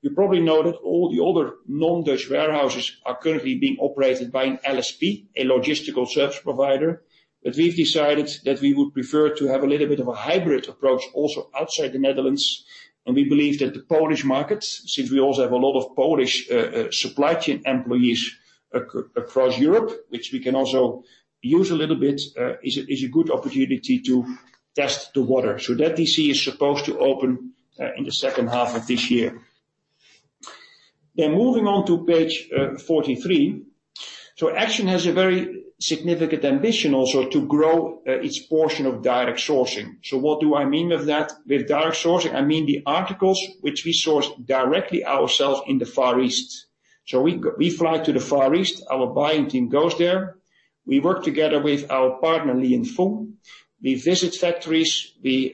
You probably know that all the other non-Dutch warehouses are currently being operated by an LSP, a logistical service provider. We've decided that we would prefer to have a little bit of a hybrid approach also outside the Netherlands. We believe that the Polish markets, since we also have a lot of Polish supply chain employees across Europe, which we can also use a little bit, is a good opportunity to test the water. That DC is supposed to open in the second half of this year. Moving on to page 43. Action has a very significant ambition also to grow its portion of direct sourcing. What do I mean with that? With direct sourcing, I mean the articles which we source directly ourselves in the Far East. We fly to the Far East, our buying team goes there. We work together with our partner, Li & Fung. We visit factories, we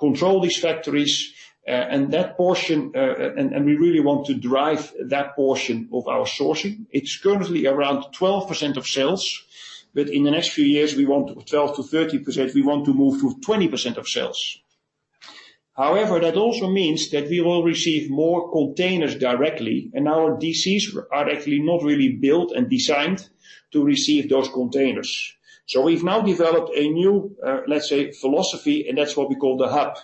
control these factories, and we really want to drive that portion of our sourcing. It's currently around 12% of sales, but in the next few years, we want 12%-13%, we want to move to 20% of sales. However, that also means that we will receive more containers directly, and our DCs are actually not really built and designed to receive those containers. We've now developed a new, let's say, philosophy, and that's what we call the hub.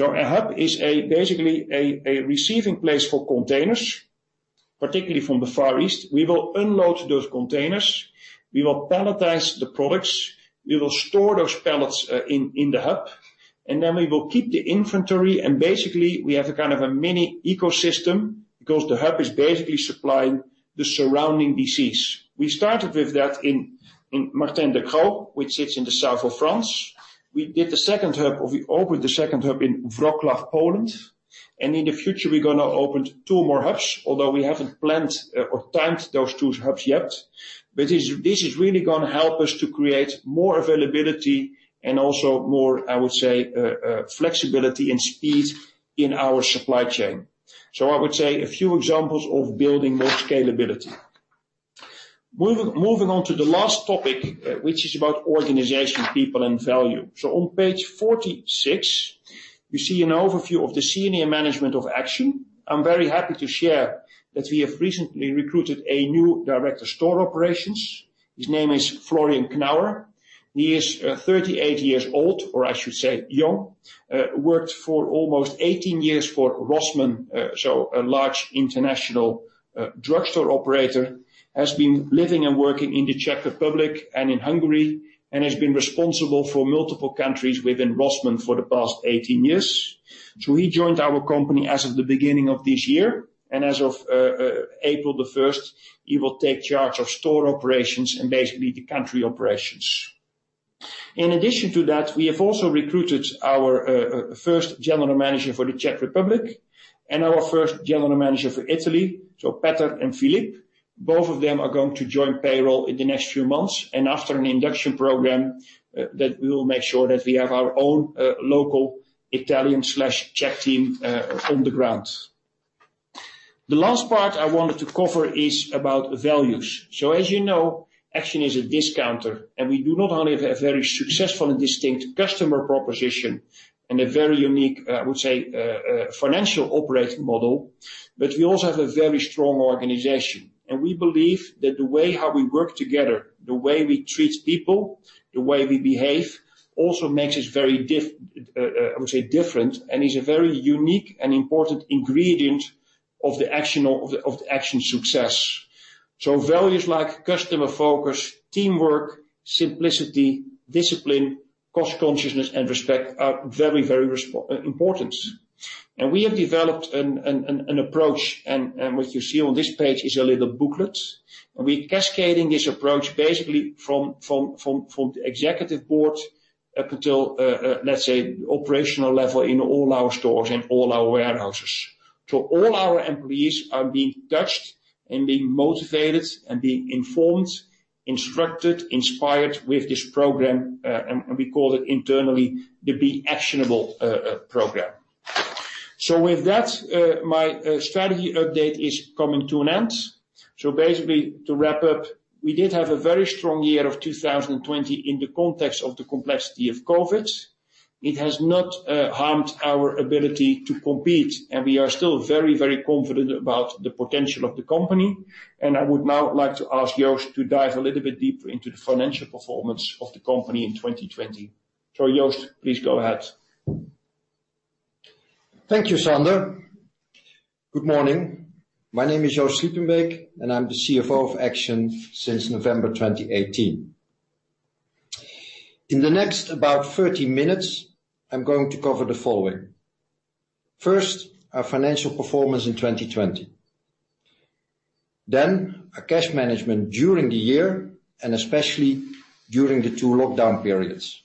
A hub is basically a receiving place for containers, particularly from the Far East. We will unload those containers, we will palletize the products, we will store those pallets in the hub, then we will keep the inventory, basically, we have a kind of a mini ecosystem. Because the hub is basically supplying the surrounding DCs. We started with that in Saint-Martin-de-Crau, which sits in the South of France. We opened the second hub in Wrocław, Poland. In the future, we're going to open two more hubs, although we haven't planned or timed those two hubs yet. This is really going to help us to create more availability and also more, I would say, flexibility and speed in our supply chain. I would say a few examples of building more scalability. Moving on to the last topic, which is about organization, people and value. On page 46, you see an overview of the senior management of Action. I'm very happy to share that we have recently recruited a new director store operations. His name is Florian Knauer. He is 38 years old, or I should say, young. Worked for almost 18 years for Rossmann, so a large international drugstore operator. Has been living and working in the Czech Republic and in Hungary, and has been responsible for multiple countries within Rossmann for the past 18 years. He joined our company as of the beginning of this year, and as of April the 1st, he will take charge of store operations and basically the country operations. In addition to that, we have also recruited our first general manager for the Czech Republic and our first General Manager for Italy, so Peter and Philippe. Both of them are going to join payroll in the next few months. After an induction program, that we will make sure that we have our own local Italian/Czech team on the ground. As you know, Action is a discounter, and we do not only have a very successful and distinct customer proposition and a very unique, I would say, financial operating model, but we also have a very strong organization. We believe that the way how we work together, the way we treat people, the way we behave, also makes us very, I would say, different, and is a very unique and important ingredient of the Action success. Values like customer focus, teamwork, simplicity, discipline, cost consciousness and respect are very, very important. We have developed an approach, and what you see on this page is a little booklet. We're cascading this approach basically from the executive board up until, let's say, operational level in all our stores and all our warehouses. All our employees are being touched and being motivated and being informed, instructed, inspired with this program, and we call it internally the Be Actionable program. With that, my strategy update is coming to an end. Basically, to wrap up, we did have a very strong year of 2020 in the context of the complexity of COVID. It has not harmed our ability to compete, and we are still very, very confident about the potential of the company. I would now like to ask Joost to dive a little bit deeper into the financial performance of the company in 2020. Joost, please go ahead. Thank you, Sander. Good morning. My name is Joost Sliepenbeek, and I'm the CFO of Action since November 2018. In the next about 30 minutes, I'm going to cover the following. First, our financial performance in 2020. Our cash management during the year, and especially during the two lockdown periods.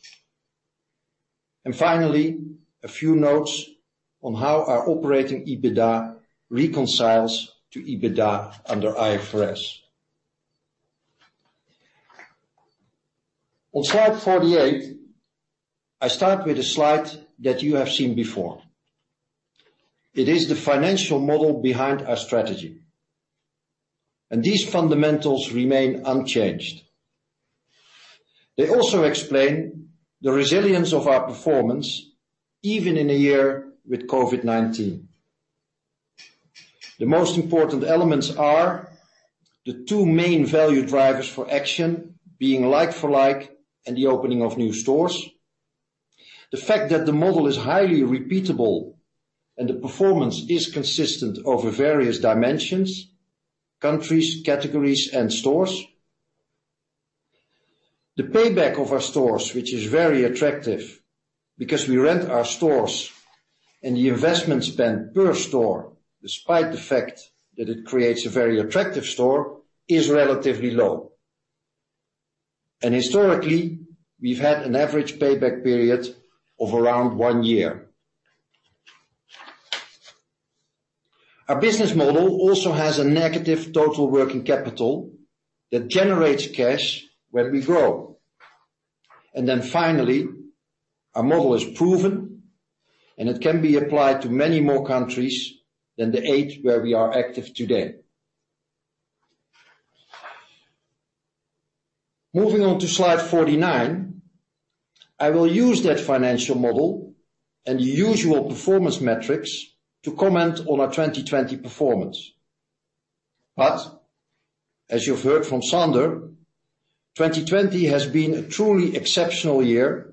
Finally, a few notes on how our operating EBITDA reconciles to EBITDA under IFRS. On slide 48, I start with a slide that you have seen before. It is the financial model behind our strategy. These fundamentals remain unchanged. They also explain the resilience of our performance, even in a year with COVID-19. The most important elements are the two main value drivers for Action, being like-for-like and the opening of new stores. The fact that the model is highly repeatable and the performance is consistent over various dimensions, countries, categories, and stores. The payback of our stores, which is very attractive because we rent our stores and the investment spend per store, despite the fact that it creates a very attractive store, is relatively low. Historically, we've had an average payback period of around one year. Our business model also has a negative total working capital that generates cash when we grow. Finally, our model is proven, and it can be applied to many more countries than the eight where we are active today. Moving on to slide 49, I will use that financial model and the usual performance metrics to comment on our 2020 performance. As you've heard from Sander, 2020 has been a truly exceptional year,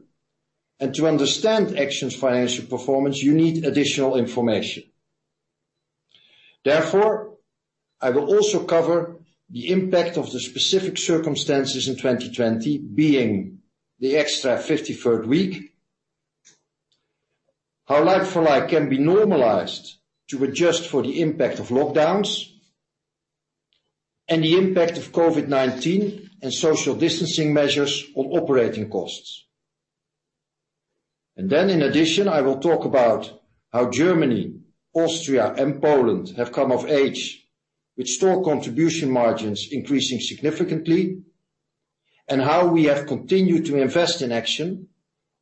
and to understand Action's financial performance, you need additional information. I will also cover the impact of the specific circumstances in 2020, being the extra 53rd week. How like-for-like can be normalized to adjust for the impact of lockdowns, and the impact of COVID-19 and social distancing measures on operating costs. In addition, I will talk about how Germany, Austria, and Poland have come of age with store contribution margins increasing significantly. How we have continued to invest in Action,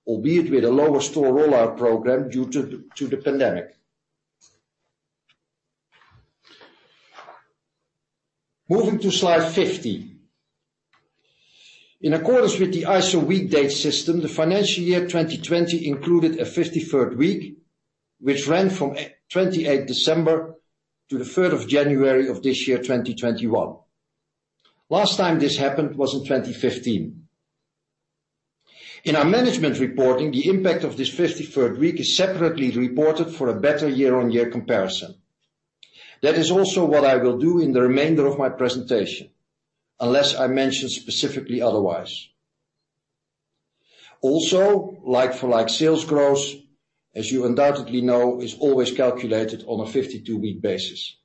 albeit with a lower store rollout program due to the pandemic. Moving to slide 50. In accordance with the ISO week date system, the financial year 2020 included a 53rd week, which ran from 28th December to the 3rd of January of this year, 2021. Last time this happened was in 2015. In our management reporting, the impact of this 53rd week is separately reported for a better year-on-year comparison. That is also what I will do in the remainder of my presentation, unless I mention specifically otherwise. Like-for-like sales growth, as you undoubtedly know, is always calculated on a 52-week basis.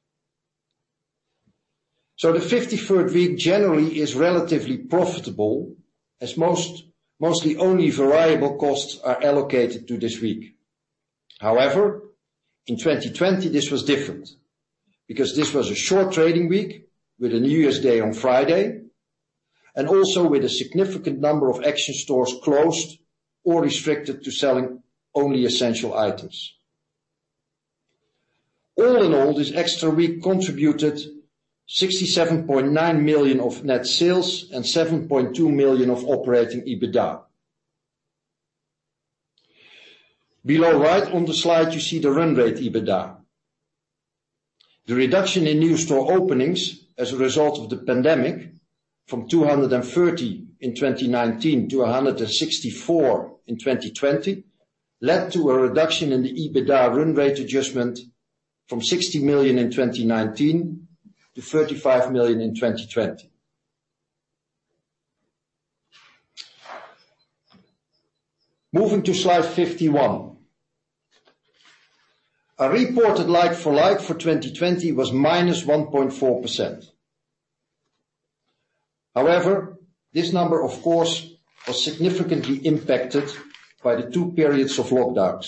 The 53rd week generally is relatively profitable, as mostly only variable costs are allocated to this week. However, in 2020 this was different, because this was a short trading week with a New Year's Day on Friday, and also with a significant number of Action stores closed or restricted to selling only essential items. All in all, this extra week contributed 67.9 million of net sales and 7.2 million of operating EBITDA. Below right on the slide, you see the run rate EBITDA. The reduction in new store openings as a result of the pandemic, from 230 in 2019 to 164 in 2020, led to a reduction in the EBITDA run rate adjustment from 60 million in 2019 to 35 million in 2020. Moving to slide 51. A reported like-for-like for 2020 was -1.4%. However, this number, of course, was significantly impacted by the two periods of lockdowns.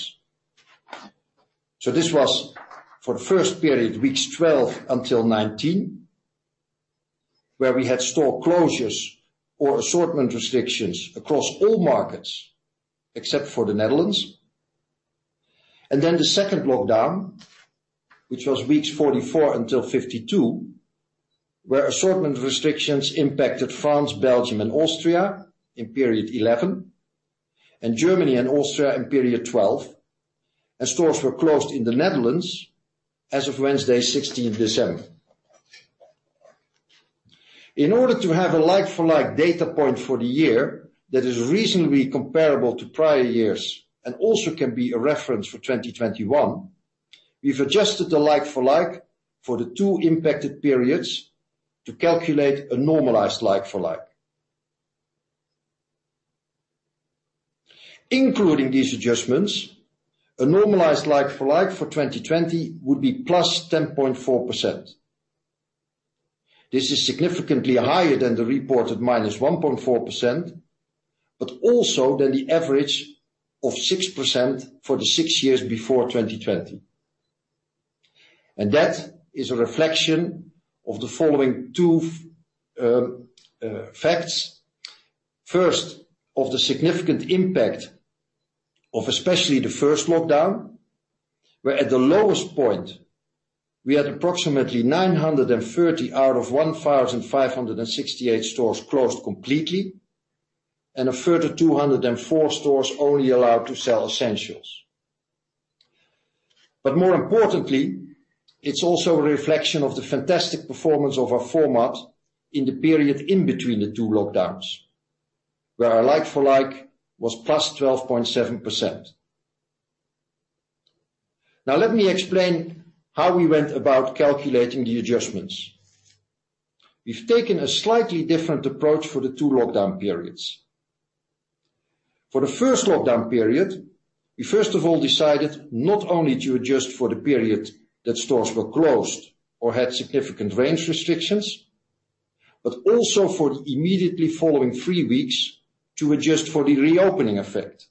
This was for the first period, weeks 12-19, where we had store closures or assortment restrictions across all markets, except for the Netherlands. The second lockdown, which was weeks 44-52, where assortment restrictions impacted France, Belgium, and Austria in period 11, and Germany and Austria in period 12, and stores were closed in the Netherlands as of Wednesday, 16th December. In order to have a like-for-like data point for the year that is reasonably comparable to prior years and also can be a reference for 2021, we've adjusted the like-for-like for the two impacted periods to calculate a normalized like-for-like. Including these adjustments, a normalized like-for-like for 2020 would be +10.4%. This is significantly higher than the reported -1.4%, but also than the average of 6% for the six years before 2020. That is a reflection of the following two facts. First, of the significant impact of especially the first lockdown, where at the lowest point, we had approximately 930 stores out of 1,568 stores closed completely, and a further 204 stores only allowed to sell essentials. More importantly, it's also a reflection of the fantastic performance of our format in the period in between the two lockdowns, where our like-for-like was +12.7%. Let me explain how we went about calculating the adjustments. We've taken a slightly different approach for the two lockdown periods. For the first lockdown period, we first of all decided not only to adjust for the period that stores were closed or had significant range restrictions, but also for the immediately following three weeks to adjust for the reopening effect.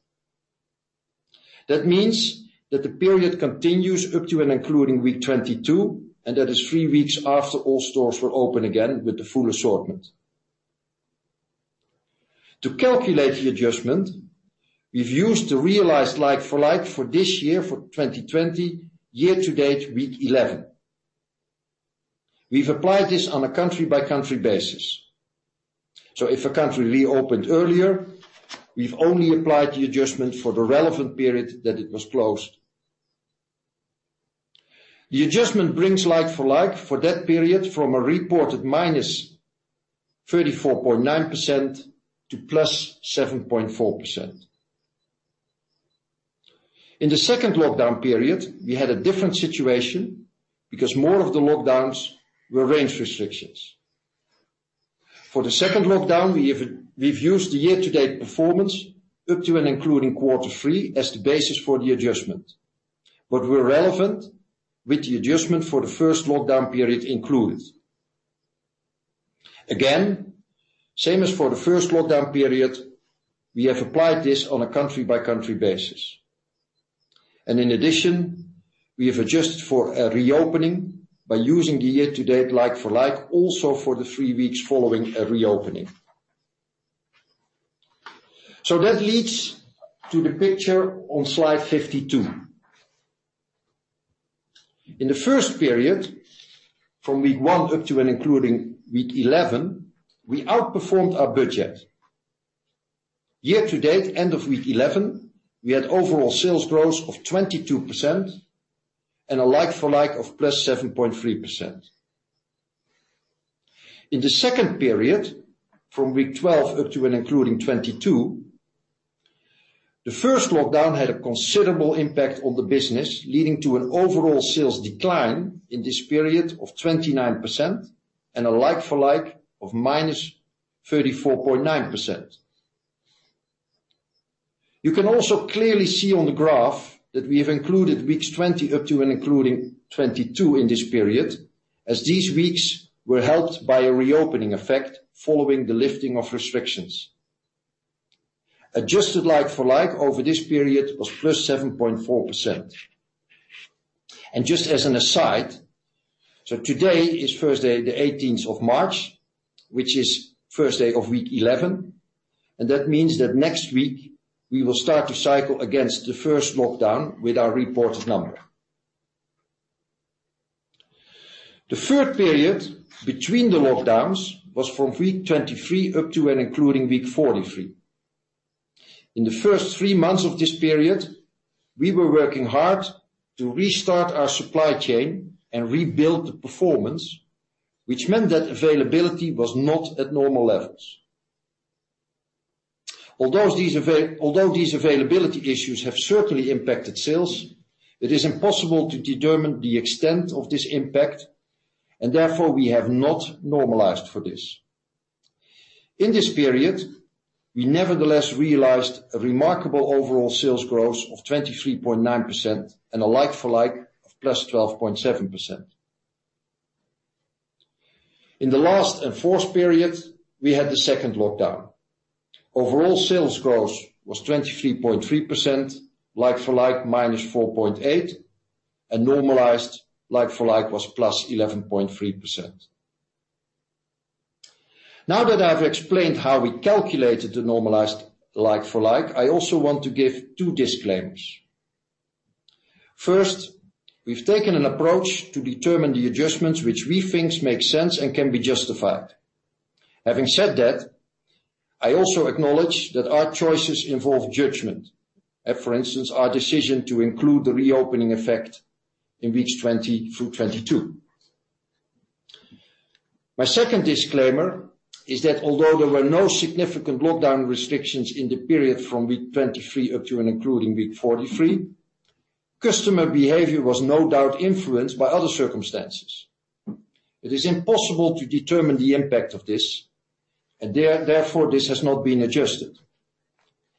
That means that the period continues up to and including week 22, and that is three weeks after all stores were open again with the full assortment. To calculate the adjustment, we've used the realized like-for-like for this year, for 2020, year-to-date week 11. We've applied this on a country-by-country basis. If a country reopened earlier, we've only applied the adjustment for the relevant period that it was closed. The adjustment brings like-for-like for that period from a reported -34.9% to +7.4%. In the second lockdown period, we had a different situation because more of the lockdowns were range restrictions. For the second lockdown, we've used the year-to-date performance up to and including quarter three as the basis for the adjustment. Where relevant with the adjustment for the first lockdown period included. Same as for the first lockdown period, we have applied this on a country-by-country basis. In addition, we have adjusted for a reopening by using the year-to-date like-for-like also for the three weeks following a reopening. That leads to the picture on slide 52. In the first period from week one up to and including week 11, we outperformed our budget. Year-to-date, end of week 11, we had overall sales growth of 22% and a like-for-like of +7.3%. In the second period, from week 12 up to and including week 22, the first lockdown had a considerable impact on the business, leading to an overall sales decline in this period of 29% and a like-for-like of -34.9%. You can also clearly see on the graph that we have included weeks 20 up to and including week 22 in this period, as these weeks were helped by a reopening effect following the lifting of restrictions. Adjusted like-for-like over this period was +7.4%. Just as an aside, so today is Thursday, the 18th of March, which is first day of week 11, and that means that next week we will start to cycle against the first lockdown with our reported number. The third period between the lockdowns was from week 23 up to and including week 43. In the first three months of this period, we were working hard to restart our supply chain and rebuild the performance, which meant that availability was not at normal levels. Although these availability issues have certainly impacted sales, it is impossible to determine the extent of this impact, and therefore we have not normalized for this. In this period, we nevertheless realized a remarkable overall sales growth of 23.9% and a like-for-like of +12.7%. In the last and fourth period, we had the second lockdown. Overall sales growth was 23.3%, like-for-like -4.8%, and normalized like-for-like was +11.3%. Now that I've explained how we calculated the normalized like-for-like, I also want to give two disclaimers. First, we've taken an approach to determine the adjustments which we think make sense and can be justified. Having said that, I also acknowledge that our choices involve judgment. For instance, our decision to include the reopening effect in week 20 through week 22. My second disclaimer is that although there were no significant lockdown restrictions in the period from week 23 up to and including week 43, customer behavior was no doubt influenced by other circumstances. It is impossible to determine the impact of this, and therefore this has not been adjusted,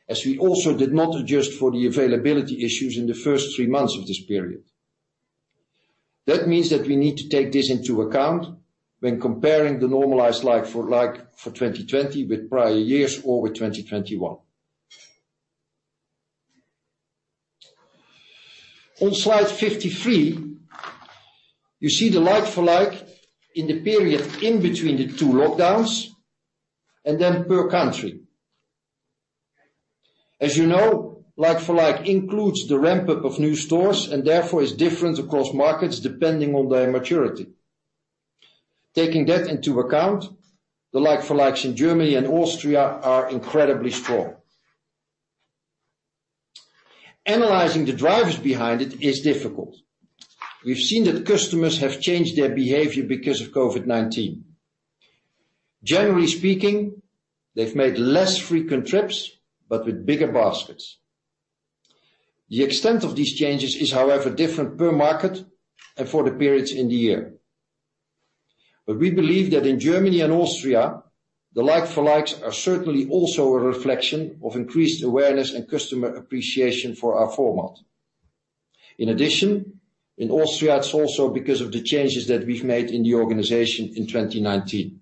as we also did not adjust for the availability issues in the first three months of this period. That means that we need to take this into account when comparing the normalized like-for-like for 2020 with prior years or with 2021. On slide 53, you see the like-for-like in the period in between the two lockdowns, per country. As you know, like-for-like includes the ramp-up of new stores and therefore is different across markets depending on their maturity. Taking that into account, the like-for-likes in Germany and Austria are incredibly strong. Analyzing the drivers behind it is difficult. We've seen that customers have changed their behavior because of COVID-19. Generally speaking, they've made less frequent trips, but with bigger baskets. The extent of these changes is, however, different per market and for the periods in the year. We believe that in Germany and Austria, the like-for-likes are certainly also a reflection of increased awareness and customer appreciation for our format. In addition, in Austria, it's also because of the changes that we've made in the organization in 2019.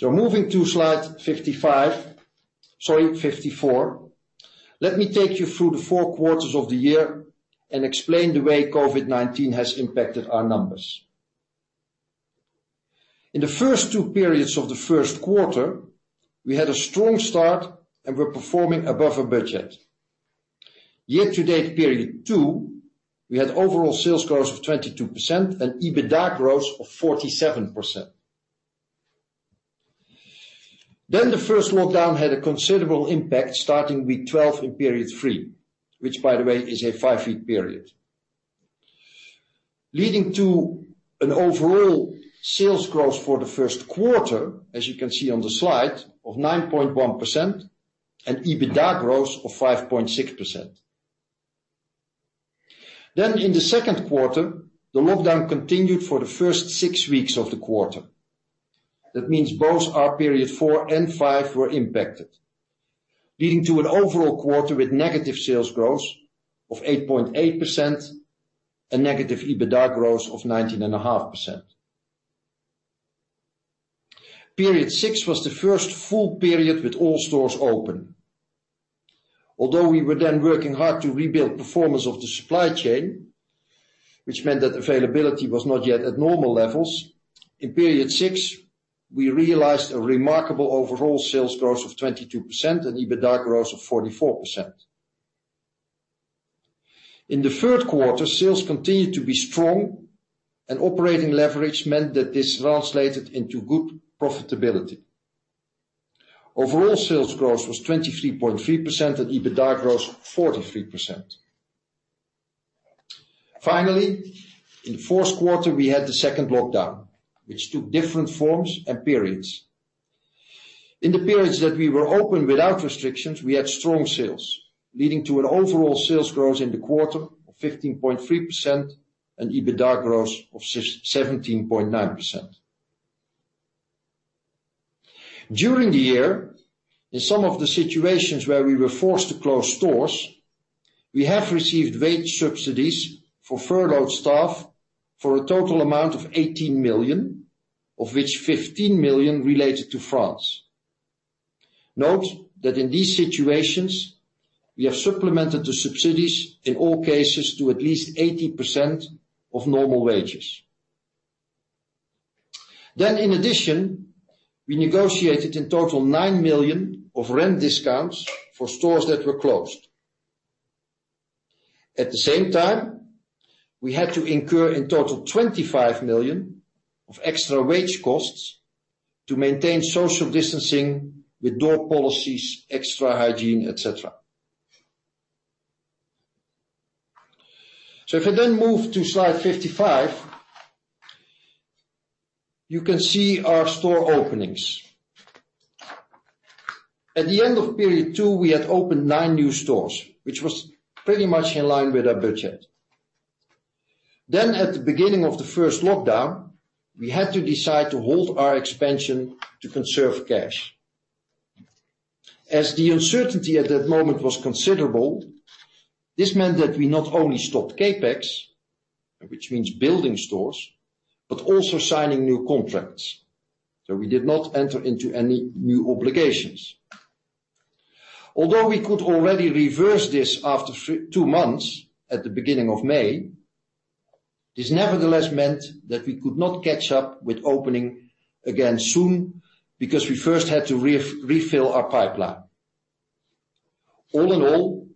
Moving to slide 55, sorry, slide 54, let me take you through the four quarters of the year and explain the way COVID-19 has impacted our numbers. In the first two periods of the first quarter, we had a strong start and were performing above our budget. Year-to-date period two, we had overall sales growth of 22% and EBITDA growth of 47%. The first lockdown had a considerable impact starting week 12 in period three, which, by the way, is a five-week period, leading to an overall sales growth for the first quarter, as you can see on the slide, of 9.1% and EBITDA growth of 5.6%. In the second quarter, the lockdown continued for the first six weeks of the quarter. That means both our period four and period five were impacted, leading to an overall quarter with negative sales growth of 8.8% and negative EBITDA growth of 19.5%. Period six was the first full period with all stores open. Although we were then working hard to rebuild performance of the supply chain, which meant that availability was not yet at normal levels, in period six, we realized a remarkable overall sales growth of 22% and EBITDA growth of 44%. In the third quarter, sales continued to be strong, and operating leverage meant that this translated into good profitability. Overall sales growth was 23.3% and EBITDA growth 43%. In the fourth quarter, we had the second lockdown, which took different forms and periods. In the periods that we were open without restrictions, we had strong sales, leading to an overall sales growth in the quarter of 15.3% and EBITDA growth of 17.9%. During the year, in some of the situations where we were forced to close stores, we have received wage subsidies for furloughed staff for a total amount of 18 million, of which 15 million related to France. Note that in these situations, we have supplemented the subsidies in all cases to at least 80% of normal wages. In addition, we negotiated in total 9 million of rent discounts for stores that were closed. At the same time, we had to incur in total 25 million of extra wage costs to maintain social distancing with door policies, extra hygiene, et cetera. If I then move to slide 55, you can see our store openings. At the end of period two, we had opened nine new stores, which was pretty much in line with our budget. At the beginning of the first lockdown, we had to decide to hold our expansion to conserve cash. As the uncertainty at that moment was considerable, this meant that we not only stopped CapEx, which means building stores, but also signing new contracts. We did not enter into any new obligations. Although we could already reverse this after two months, at the beginning of May, this nevertheless meant that we could not catch up with opening again soon because we first had to refill our pipeline. All in all,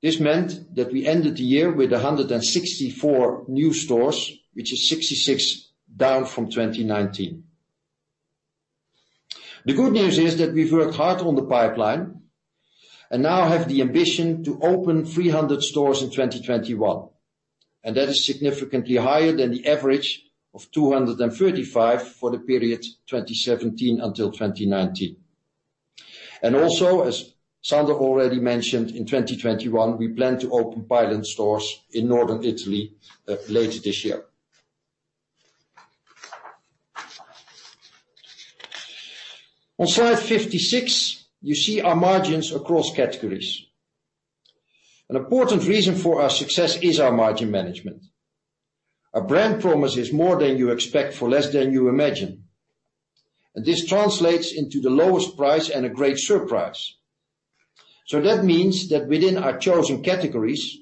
this meant that we ended the year with 164 new stores, which is 66 stores down from 2019. The good news is that we've worked hard on the pipeline and now have the ambition to open 300 stores in 2021, and that is significantly higher than the average of 235 stores for the period 2017 until 2019. Also, as Sander already mentioned, in 2021, we plan to open pilot stores in Northern Italy later this year. On slide 56, you see our margins across categories. An important reason for our success is our margin management. Our brand promise is more than you expect for less than you imagine. This translates into the lowest price and a great surprise. That means that within our chosen categories,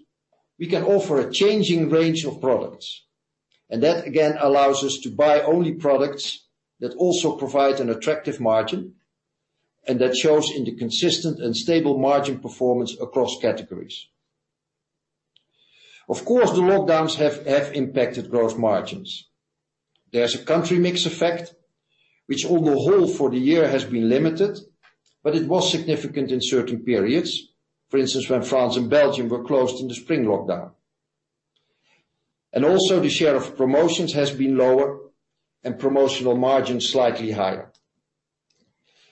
we can offer a changing range of products. That again allows us to buy only products that also provide an attractive margin. That shows in the consistent and stable margin performance across categories. Of course, the lockdowns have impacted gross margins. There's a country mix effect, which on the whole for the year has been limited. It was significant in certain periods. For instance, when France and Belgium were closed in the spring lockdown. Also the share of promotions has been lower and promotional margins slightly higher.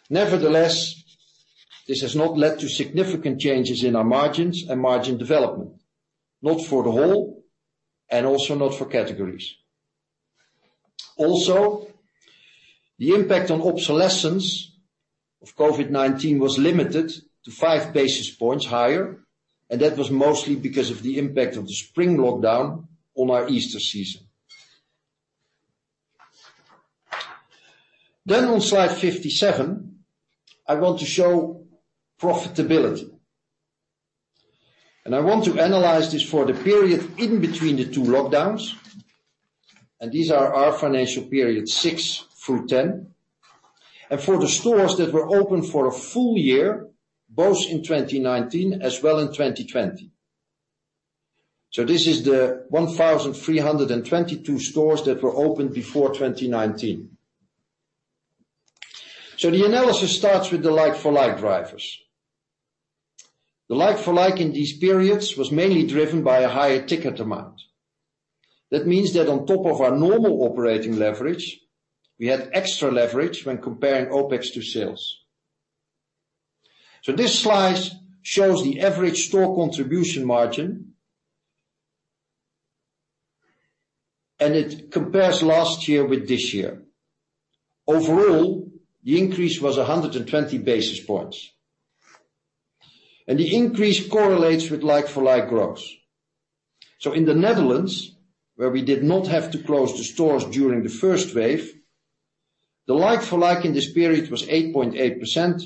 Nevertheless, this has not led to significant changes in our margins and margin development, not for the whole and also not for categories. The impact on obsolescence of COVID-19 was limited to 5 basis points higher, and that was mostly because of the impact of the spring lockdown on our Easter season. On slide 57, I want to show profitability. I want to analyze this for the period in between the two lockdowns, and these are our financial period six through period 10. For the stores that were open for a full year, both in 2019 as well in 2020. This is the 1,322 stores that were opened before 2019. The analysis starts with the like-for-like drivers. The like-for-like in these periods was mainly driven by a higher ticket amount. That means that on top of our normal operating leverage, we had extra leverage when comparing OpEx to sales. This slide shows the average store contribution margin, and it compares last year with this year. Overall, the increase was 120 basis points. The increase correlates with like-for-like growth. In the Netherlands, where we did not have to close the stores during the first wave, the like-for-like in this period was 8.8%,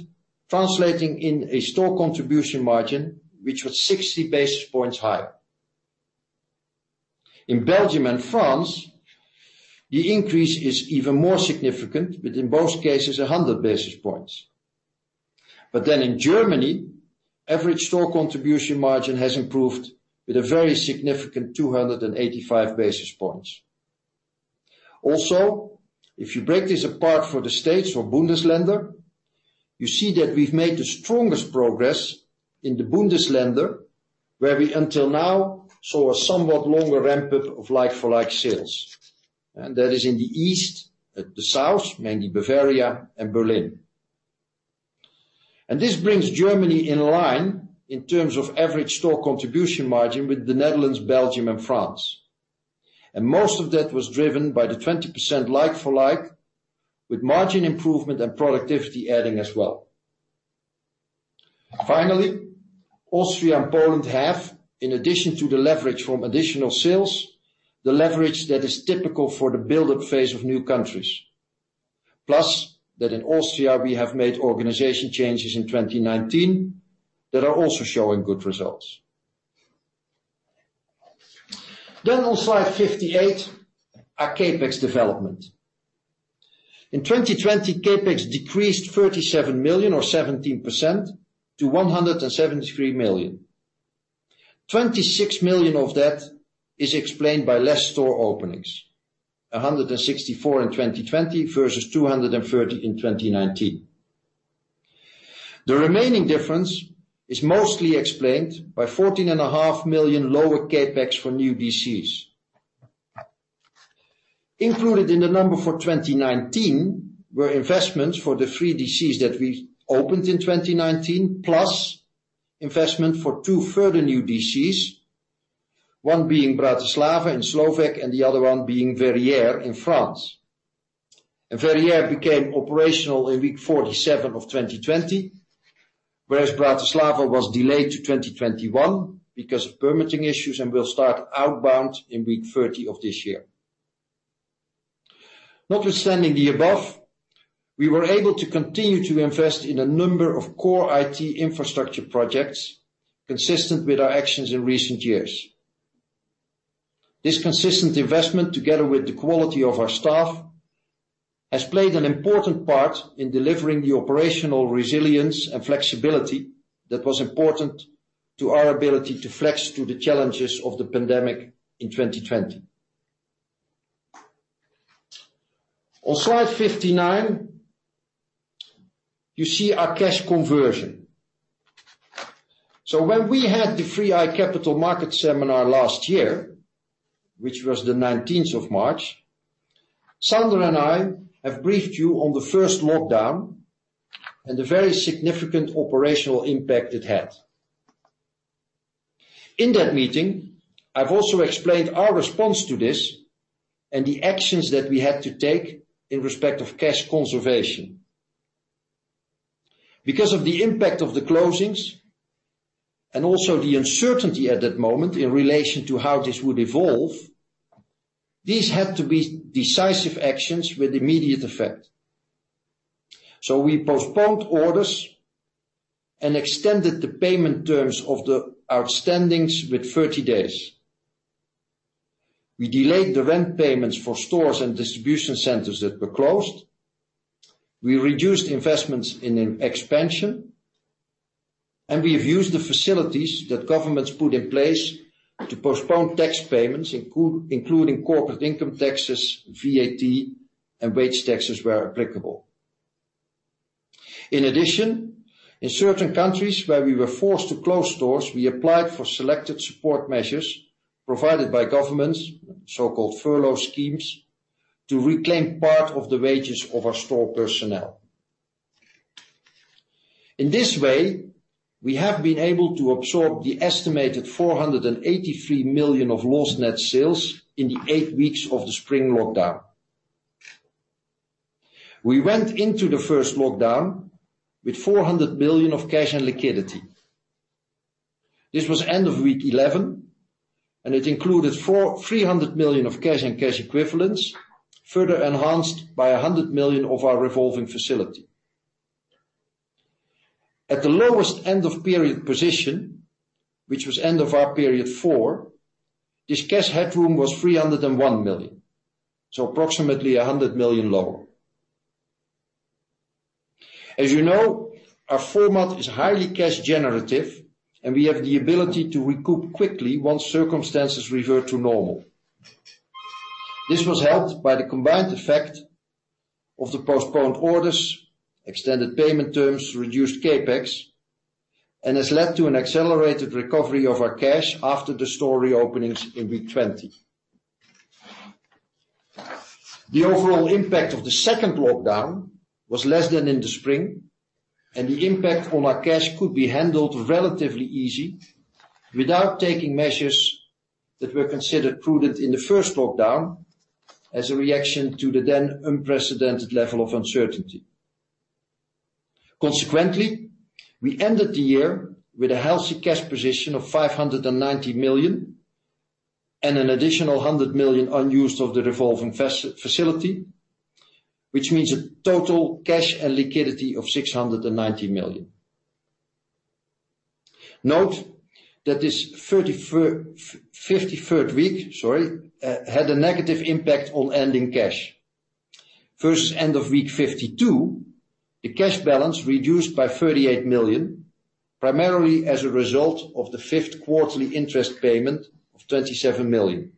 translating in a store contribution margin, which was 60 basis points higher. In Belgium and France, the increase is even more significant, with in both cases, 100 basis points. In Germany, average store contribution margin has improved with a very significant 285 basis points. Also, if you break this apart for the states or Bundesländer, you see that we've made the strongest progress in the Bundesländer, where we until now saw a somewhat longer ramp-up of like-for-like sales. That is in the east, the south, mainly Bavaria and Berlin. This brings Germany in line in terms of average store contribution margin with the Netherlands, Belgium, and France. Most of that was driven by the 20% like-for-like, with margin improvement and productivity adding as well. Finally, Austria and Poland have, in addition to the leverage from additional sales, the leverage that is typical for the build-up phase of new countries. That in Austria, we have made organization changes in 2019 that are also showing good results. On slide 58, our CapEx development. In 2020, CapEx decreased 37 million or 17% to 173 million. 26 million of that is explained by less store openings, 164 stores in 2020 versus 230 stores in 2019. The remaining difference is mostly explained by 14.5 million lower CapEx for new DCs. Included in the number for 2019 were investments for the three DCs that we opened in 2019, plus investment for two further new DCs, one being Bratislava in Slovakia and the other one being Verrières in France. Verrières became operational in week 47 of 2020, whereas Bratislava was delayed to 2021 because of permitting issues and will start outbound in week 30 of this year. Notwithstanding the above, we were able to continue to invest in a number of core IT infrastructure projects consistent with our actions in recent years. This consistent investment, together with the quality of our staff, has played an important part in delivering the operational resilience and flexibility that was important to our ability to flex to the challenges of the pandemic in 2020. On slide 59, you see our cash conversion. When we had the 3i Capital Markets Seminar last year, which was the 19th of March, Sander and I have briefed you on the first lockdown and the very significant operational impact it had. In that meeting, I've also explained our response to this and the actions that we had to take in respect of cash conservation. Because of the impact of the closings and also the uncertainty at that moment in relation to how this would evolve, these had to be decisive actions with immediate effect. We postponed orders and extended the payment terms of the outstandings with 30 days. We delayed the rent payments for stores and distribution centers that were closed. We reduced investments in expansion, and we have used the facilities that governments put in place to postpone tax payments, including corporate income taxes, VAT, and wage taxes where applicable. In addition, in certain countries where we were forced to close stores, we applied for selected support measures provided by governments, so-called furlough schemes, to reclaim part of the wages of our store personnel. In this way, we have been able to absorb the estimated 483 million of lost net sales in the eight weeks of the spring lockdown. We went into the first lockdown with 400 million of cash and liquidity. This was end of week 11, and it included 300 million of cash and cash equivalents, further enhanced by 100 million of our revolving facility. At the lowest end of period position, which was end of our period four, this cash headroom was 301 million, so approximately 100 million lower. As you know, our format is highly cash generative, and we have the ability to recoup quickly once circumstances revert to normal. This was helped by the combined effect of the postponed orders, extended payment terms, reduced CapEx, and has led to an accelerated recovery of our cash after the store reopenings in week 20. The overall impact of the second lockdown was less than in the spring, and the impact on our cash could be handled relatively easy without taking measures that were considered prudent in the first lockdown as a reaction to the then unprecedented level of uncertainty. Consequently, we ended the year with a healthy cash position of 590 million and an additional 100 million unused of the revolving facility, which means a total cash and liquidity of 690 million. Note that this 53rd week had a negative impact on ending cash versus end of week 52, the cash balance reduced by 38 million, primarily as a result of the fifth quarterly interest payment of 27 million.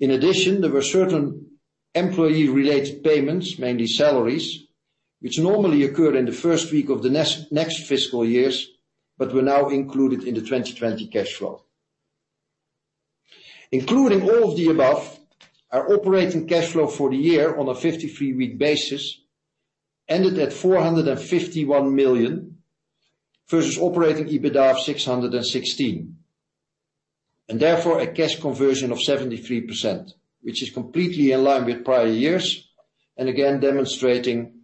In addition, there were certain employee-related payments, mainly salaries, which normally occurred in the first week of the next fiscal years, but were now included in the 2020 cash flow. Including all of the above, our operating cash flow for the year on a 53-week basis ended at 451 million versus operating EBITDA of 616 million. Therefore, a cash conversion of 73%, which is completely in line with prior years and again, demonstrating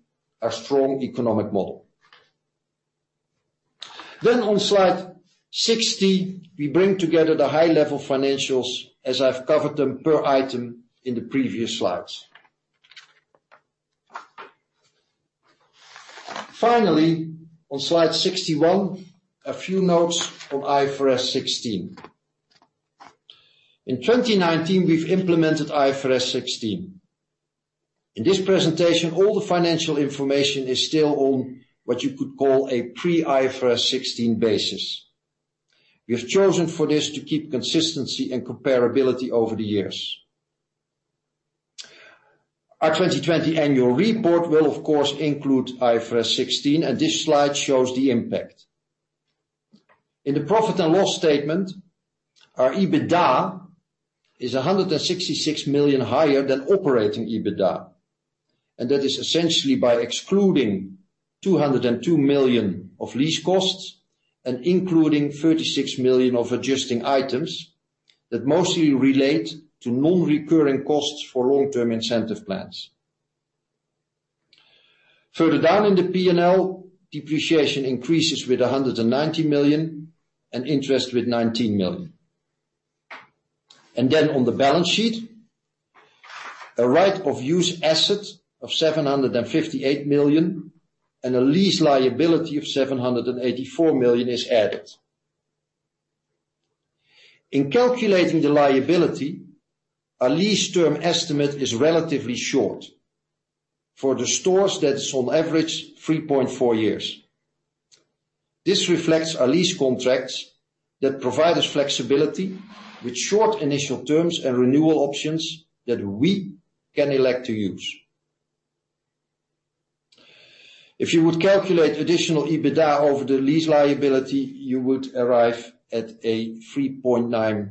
our strong economic model. On slide 60, we bring together the high-level financials as I've covered them per item in the previous slides. Finally, on slide 61, a few notes on IFRS 16. In 2019, we've implemented IFRS 16. In this presentation, all the financial information is still on what you could call a pre-IFRS 16 basis. We have chosen for this to keep consistency and comparability over the years. Our 2020 annual report will, of course, include IFRS 16. This slide shows the impact. In the profit and loss statement, our EBITDA is 166 million higher than operating EBITDA. That is essentially by excluding 202 million of lease costs and including 36 million of adjusting items that mostly relate to non-recurring costs for long-term incentive plans. Further down in the P&L, depreciation increases with 190 million and interest with 19 million. On the balance sheet, a right-of-use asset of 758 million and a lease liability of 784 million is added. In calculating the liability, our lease term estimate is relatively short. For the stores, that is on average 3.4 years. This reflects our lease contracts that provide us flexibility with short initial terms and renewal options that we can elect to use. If you would calculate additional EBITDA over the lease liability, you would arrive at a 3.9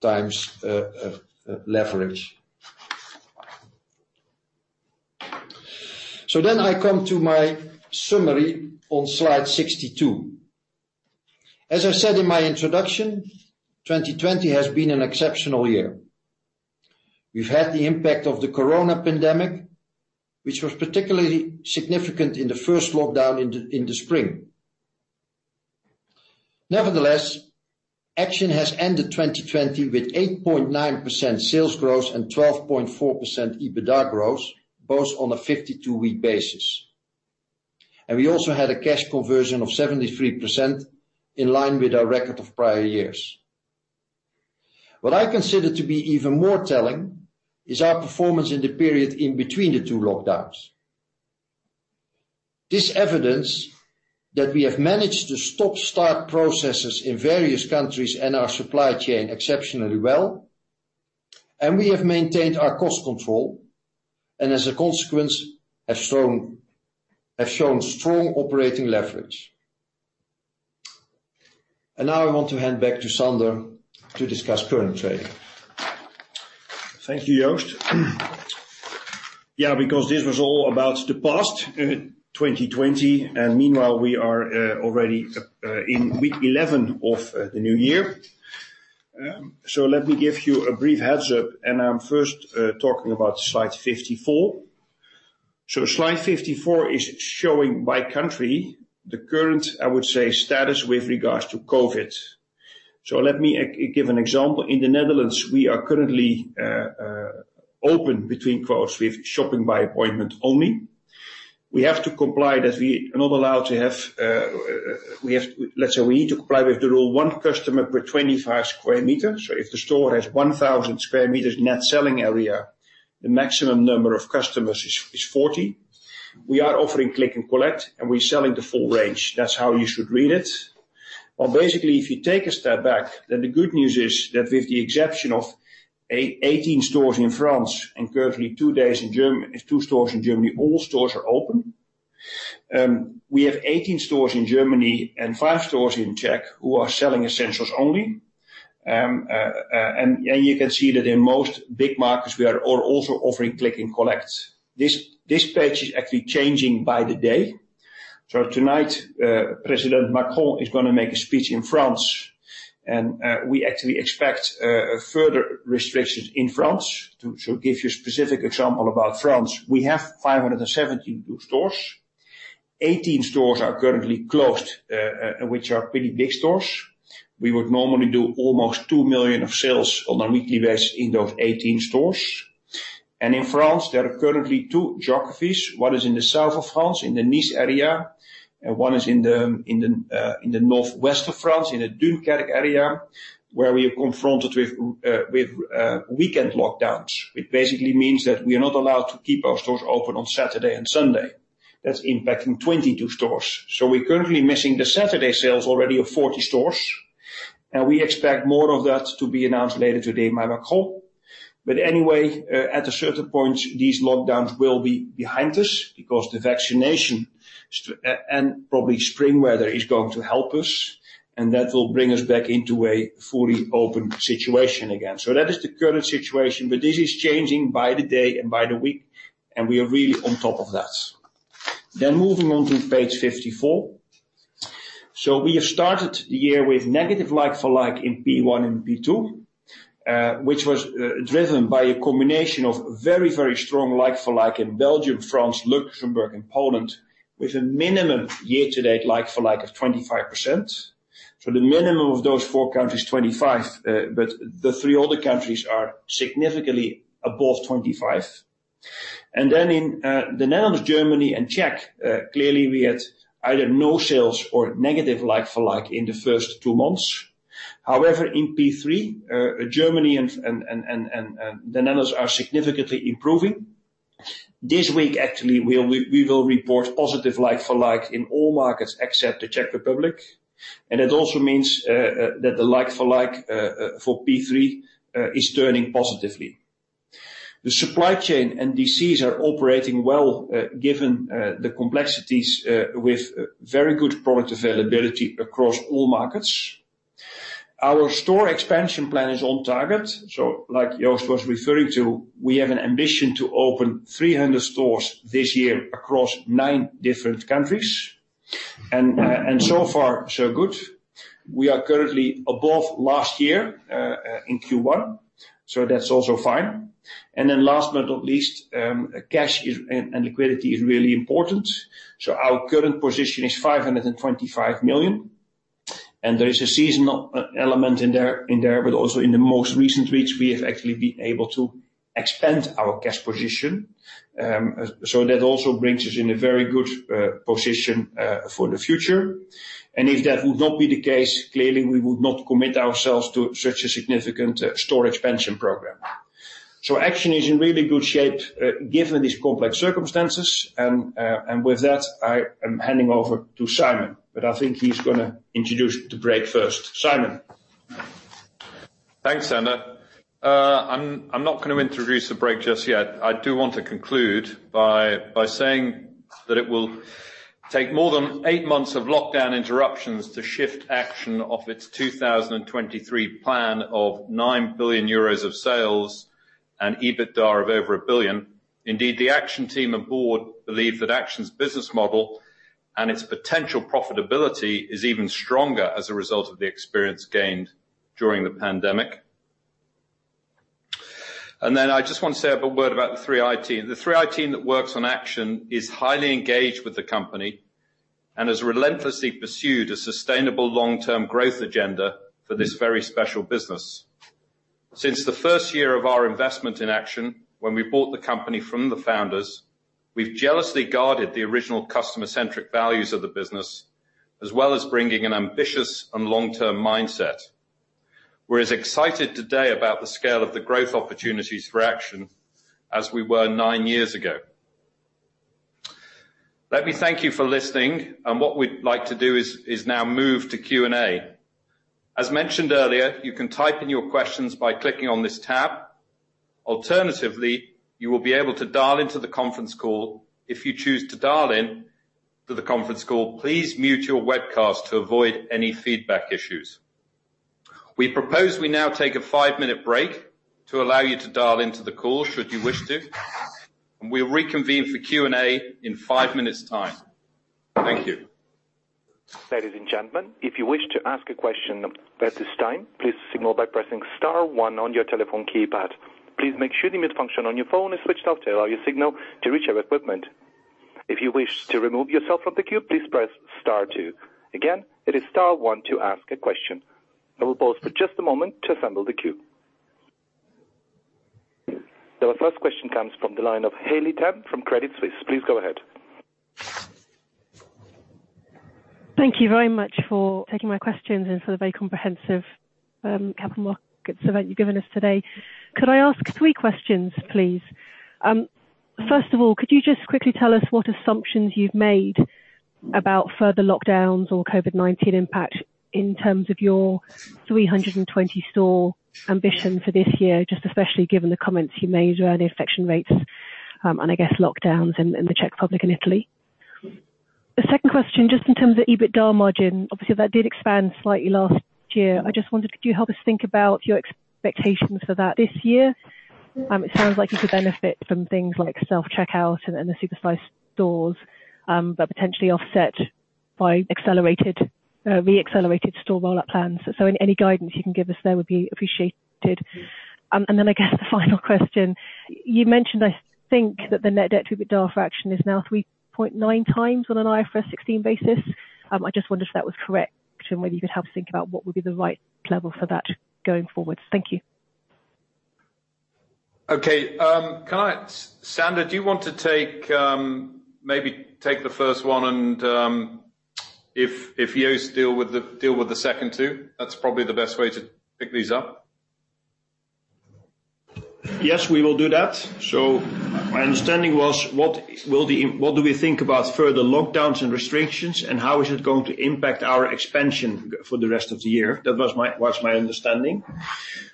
times leverage. I come to my summary on slide 62. As I said in my introduction, 2020 has been an exceptional year. We've had the impact of the corona pandemic, which was particularly significant in the first lockdown in the spring. Nevertheless, Action has ended 2020 with 8.9% sales growth and 12.4% EBITDA growth, both on a 52-week basis. We also had a cash conversion of 73% in line with our record of prior years. What I consider to be even more telling is our performance in the period in between the two lockdowns. This evidence that we have managed to stop-start processes in various countries and our supply chain exceptionally well, and we have maintained our cost control, and as a consequence, have shown strong operating leverage. Now I want to hand back to Sander to discuss current trading. Thank you, Joost. This was all about the past, 2020. Meanwhile, we are already in week 11 of the new year. Let me give you a brief heads-up. I'm first talking about slide 54. Slide 54 is showing by country the current, I would say, status with regards to COVID. Let me give an example. In the Netherlands, we are currently open between quotes with shopping by appointment only. We need to comply with the rule one customer per 25 sq m. If the store has 1,000 sq m net selling area, the maximum number of customers is 40. We are offering Click and Collect. We're selling the full range. That's how you should read it. Basically, if you take a step back, then the good news is that with the exception of 18 stores in France and currently two stores in Germany, all stores are open. We have 18 stores in Germany and five stores in Czech who are selling essentials only. You can see that in most big markets, we are also offering Click and Collect. This page is actually changing by the day. Tonight, President Macron is going to make a speech in France, and we actually expect further restrictions in France. To give you a specific example about France, we have 572 stores. 18 stores are currently closed, which are pretty big stores. We would normally do almost 2 million of sales on a weekly base in those 18 stores. In France, there are currently two geographies. One is in the south of France, in the Nice area, and one is in the northwest of France, in the Dunkirk area, where we are confronted with weekend lockdowns, which basically means that we are not allowed to keep our stores open on Saturday and Sunday. That's impacting 22 stores. We're currently missing the Saturday sales already of 40 stores, and we expect more of that to be announced later today by Macron. Anyway, at a certain point, these lockdowns will be behind us because the vaccination and probably spring weather is going to help us, and that will bring us back into a fully open situation again. That is the current situation, but this is changing by the day and by the week, and we are really on top of that. Moving on to page 54. We have started the year with negative like-for-like in P1 and P2, which was driven by a combination of very strong like-for-like in Belgium, France, Luxembourg, and Poland, with a minimum year-to-date like-for-like of 25%. The minimum of those four countries, 25%, but the three other countries are significantly above 25%. Then in the Netherlands, Germany, and Czech, clearly we had either no sales or negative like-for-like in the first two months. However, in P3, Germany and the Netherlands are significantly improving. This week, actually, we will report positive like-for-like in all markets except the Czech Republic. It also means that the like-for-like for P3 is turning positively. The supply chain and DCs are operating well, given the complexities, with very good product availability across all markets. Our store expansion plan is on target. Like Joost was referring to, we have an ambition to open 300 stores this year across nine different countries. So far, so good. We are currently above last year in Q1, that's also fine. Last but not least, cash and liquidity is really important. Our current position is 525 million, and there is a seasonal element in there, but also in the most recent weeks, we have actually been able to expand our cash position. That also brings us in a very good position for the future. If that would not be the case, clearly we would not commit ourselves to such a significant store expansion program. Action is in really good shape given these complex circumstances. With that, I am handing over to Simon, but I think he's going to introduce the break first. Simon? Thanks, Sander. I'm not going to introduce the break just yet. I do want to conclude by saying that it will take more than eight months of lockdown interruptions to shift Action off its 2023 plan of 9 billion euros of sales and EBITDA of over 1 billion. Indeed, the Action team and board believe that Action's business model and its potential profitability is even stronger as a result of the experience gained during the pandemic. I just want to say a word about the 3i team. The 3i team that works on Action is highly engaged with the company and has relentlessly pursued a sustainable long-term growth agenda for this very special business. Since the first year of our investment in Action, when we bought the company from the founders, we've jealously guarded the original customer-centric values of the business, as well as bringing an ambitious and long-term mindset. We're as excited today about the scale of the growth opportunities for Action as we were nine years ago. Let me thank you for listening, and what we'd like to do is now move to Q&A. As mentioned earlier, you can type in your questions by clicking on this tab. Alternatively, you will be able to dial into the conference call. If you choose to dial in to the conference call, please mute your webcast to avoid any feedback issues. We propose we now take a five-minute break to allow you to dial into the call should you wish to, and we'll reconvene for Q&A in five minutes time. Thank you. Ladies and gentlemen, if you wish to ask a question at this time, please signal by pressing star one on your telephone keypad. Please make sure the mute function on your phone is switched off to allow your signal to reach our equipment. If you wish to remove yourself from the queue, please press star two. Again, it is star one to ask a question. I will pause for just a moment to assemble the queue. Our first question comes from the line of Haley Tam from Credit Suisse. Please go ahead. Thank you very much for taking my questions and for the very comprehensive Capital Markets event you've given us today. Could I ask three questions, please? First of all, could you just quickly tell us what assumptions you've made about further lockdowns or COVID-19 impact in terms of your 320 store ambition for this year, just especially given the comments you made around the infection rates, and I guess lockdowns in the Czech Republic and Italy? The second question, just in terms of EBITDA margin, obviously that did expand slightly last year. I just wondered, could you help us think about your expectations for that this year? It sounds like you could benefit from things like self-checkout and the supersize stores, but potentially offset by re-accelerated store rollout plans. Any guidance you can give us there would be appreciated. I guess the final question. You mentioned, I think, that the net debt to EBITDA fraction is now 3.9% times on an IFRS 16 basis. I just wondered if that was correct, and whether you could help think about what would be the right level for that going forward. Thank you. Okay. Sander, do you want to maybe take the first one, and if Joost deal with the second two? That's probably the best way to pick these up. Yes, we will do that. My understanding was, what do we think about further lockdowns and restrictions, and how is it going to impact our expansion for the rest of the year? That was my understanding.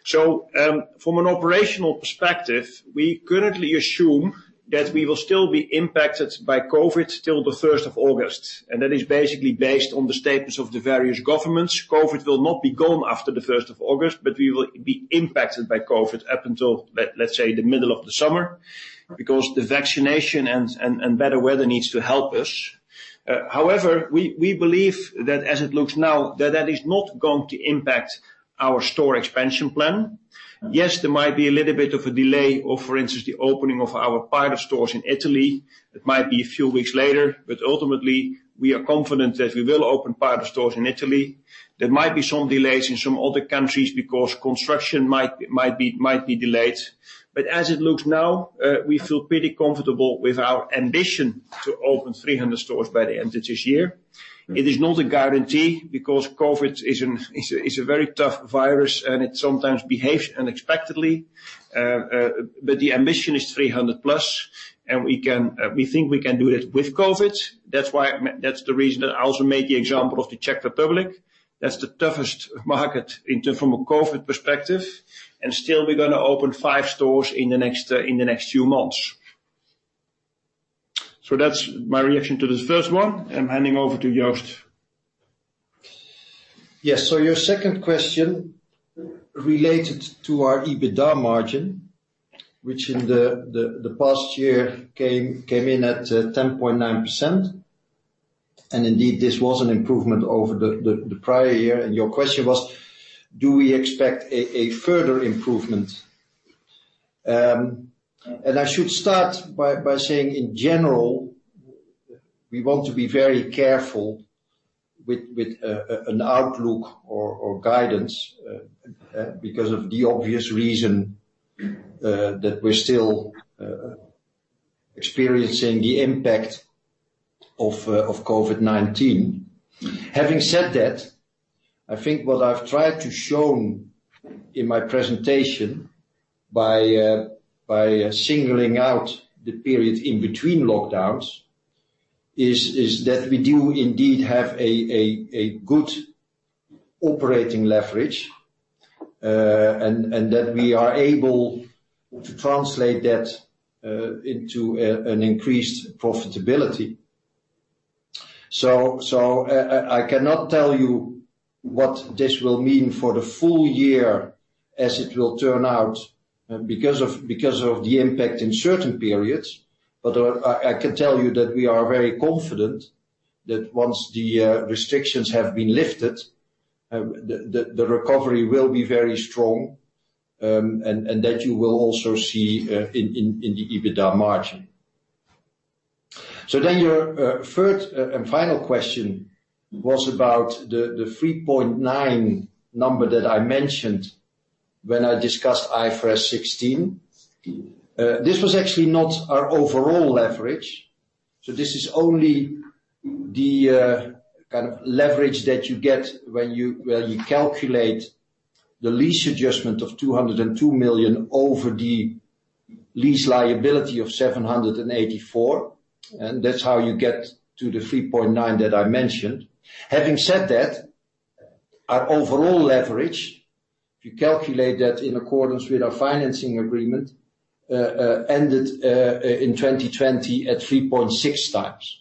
From an operational perspective, we currently assume that we will still be impacted by COVID till the 1st of August, and that is basically based on the statements of the various governments. COVID will not be gone after the 1st of August, but we will be impacted by COVID up until, let's say, the middle of the summer because the vaccination and better weather needs to help us. However, we believe that as it looks now, that that is not going to impact our store expansion plan. Yes, there might be a little bit of a delay of, for instance, the opening of our pilot stores in Italy. It might be a few weeks later, but ultimately, we are confident that we will open pilot stores in Italy. There might be some delays in some other countries because construction might be delayed. As it looks now, we feel pretty comfortable with our ambition to open 300 stores by the end of this year. It is not a guarantee because COVID is a very tough virus and it sometimes behaves unexpectedly. The ambition is 300+ stores, and we think we can do it with COVID. That's the reason that I also made the example of the Czech Republic. That's the toughest market from a COVID perspective, and still we're going to open five stores in the next few months. That's my reaction to this first one, and I'm handing over to Joost. Yes, your second question related to our EBITDA margin, which in the past year came in at 10.9%, indeed this was an improvement over the prior year. Your question was, do we expect a further improvement? I should start by saying in general, we want to be very careful with an outlook or guidance, because of the obvious reason that we're still experiencing the impact of COVID-19. Having said that, I think what I've tried to shown in my presentation by singling out the period in between lockdowns is that we do indeed have a good operating leverage, and that we are able to translate that into an increased profitability. I cannot tell you what this will mean for the full year as it will turn out because of the impact in certain periods. I can tell you that we are very confident that once the restrictions have been lifted, the recovery will be very strong, and that you will also see in the EBITDA margin. Your third and final question was about the 3.9 number that I mentioned when I discussed IFRS 16. This was actually not our overall leverage. This is only the kind of leverage that you get when you calculate the lease adjustment of 202 million over the lease liability of 784, and that's how you get to the 3.9 that I mentioned. Having said that, our overall leverage, if you calculate that in accordance with our financing agreement, ended in 2020 at 3.6 times.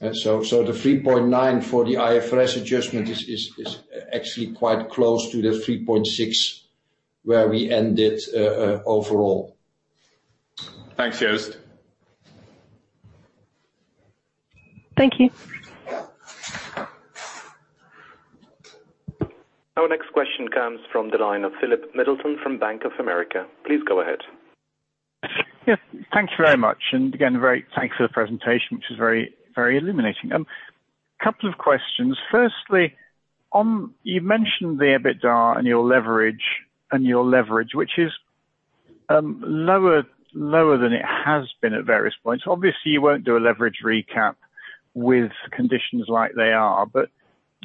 The 3.9% for the IFRS adjustment is actually quite close to the 3.6 where we ended overall. Thanks, Joost. Thank you. Our next question comes from the line of Philip Middleton from Bank of America. Please go ahead. Yes, thank you very much. Again, thanks for the presentation, which is very illuminating. Couple of questions. Firstly, you mentioned the EBITDA and your leverage, which is lower than it has been at various points. Obviously, you won't do a leverage recap with conditions like they are.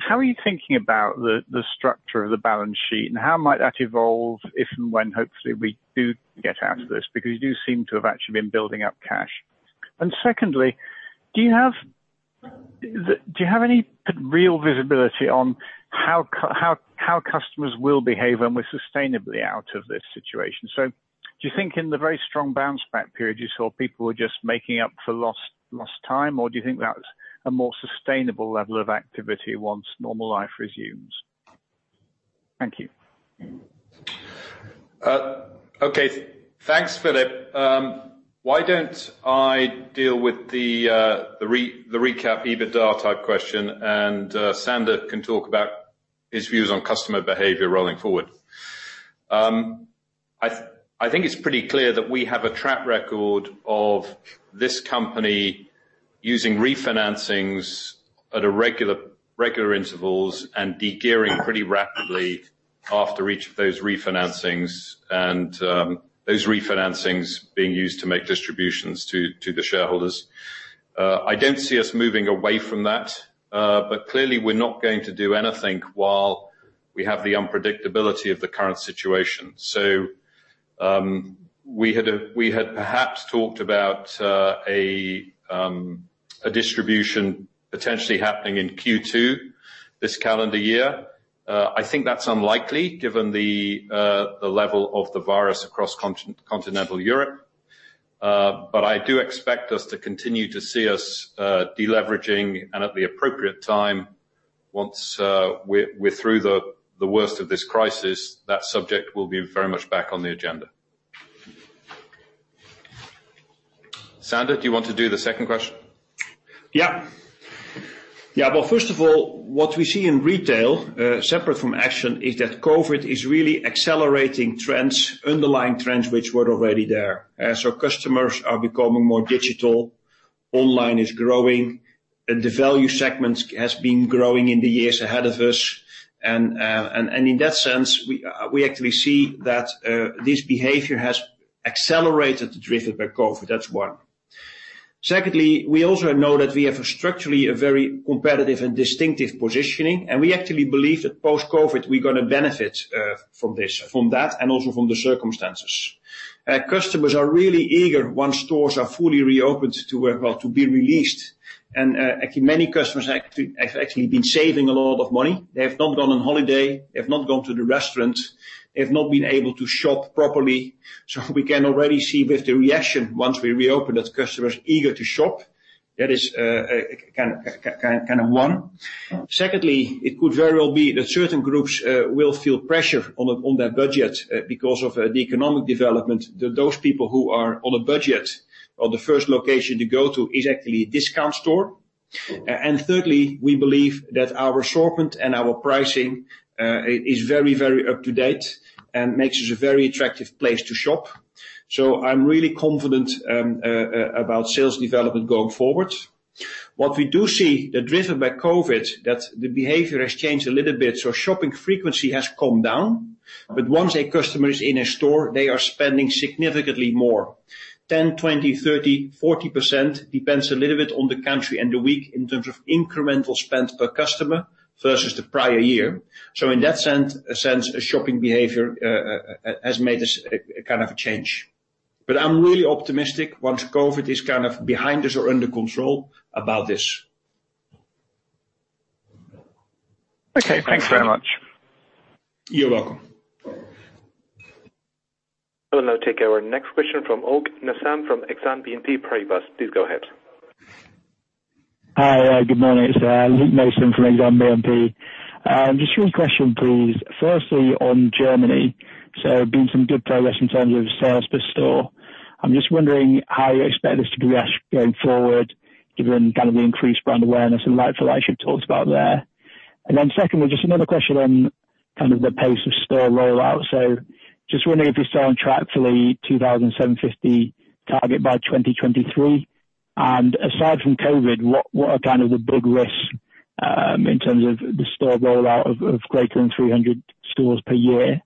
How are you thinking about the structure of the balance sheet, and how might that evolve if and when, hopefully, we do get out of this? You do seem to have actually been building up cash. Secondly, do you have any real visibility on how customers will behave when we're sustainably out of this situation? Do you think in the very strong bounce back period you saw people were just making up for lost time, or do you think that's a more sustainable level of activity once normal life resumes? Thank you. Okay. Thanks, Philip. Why don't I deal with the recap EBITDA type question, and Sander can talk about his views on customer behavior rolling forward. I think it's pretty clear that we have a track record of this company using refinancings at a regular intervals and de-gearing pretty rapidly after each of those refinancings and those refinancings being used to make distributions to the shareholders. I don't see us moving away from that. Clearly we're not going to do anything while we have the unpredictability of the current situation. We had perhaps talked about a distribution potentially happening in Q2 this calendar year. I think that's unlikely given the level of the virus across continental Europe. I do expect us to continue to see us de-leveraging and at the appropriate time, once we're through the worst of this crisis, that subject will be very much back on the agenda. Sander, do you want to do the second question? Well, first of all, what we see in retail, separate from Action, is that COVID is really accelerating trends, underlying trends, which were already there. Customers are becoming more digital, online is growing, and the value segment has been growing in the years ahead of us. In that sense, we actually see that this behavior has accelerated, driven by COVID. That's one. Secondly, we also know that we have a structurally a very competitive and distinctive positioning, and we actually believe that post-COVID, we're going to benefit from that and also from the circumstances. Customers are really eager once stores are fully reopened to be released. I think many customers have actually been saving a lot of money. They have not gone on holiday, they have not gone to the restaurant, they have not been able to shop properly. We can already see with the reaction once we reopen, that customer's eager to shop. That is kind of one. Secondly, it could very well be that certain groups will feel pressure on their budget because of the economic development. Those people who are on a budget or the first location to go to is actually a discount store. Thirdly, we believe that our assortment and our pricing is very up to date and makes us a very attractive place to shop. I'm really confident about sales development going forward. What we do see, that driven by COVID, that the behavior has changed a little bit. Shopping frequency has come down, but once a customer is in a store, they are spending significantly more. 10%, 20%, 30%, 40%, depends a little bit on the country and the week in terms of incremental spend per customer versus the prior year. In that sense, a shopping behavior has made this a kind of a change. I'm really optimistic once COVID is behind us or under control about this. Okay. Thanks very much. You're welcome. We'll now take our next question from Luke Mason from Exane BNP Paribas. Please go ahead. Hi. Good morning. It's Luke Mason from Exane BNP. Just one question, please. Firstly, on Germany, been some good progress in terms of sales per store. I'm just wondering how you expect this to progress going forward, given kind of the increased brand awareness and Like-for-Like you talked about there. Secondly, just another question on kind of the pace of store rollout. Just wondering if you're still on track for 2,750 stores stores target by 2023. Aside from COVID, what are kind of the big risks, in terms of the store rollout of greater than 300 stores per year?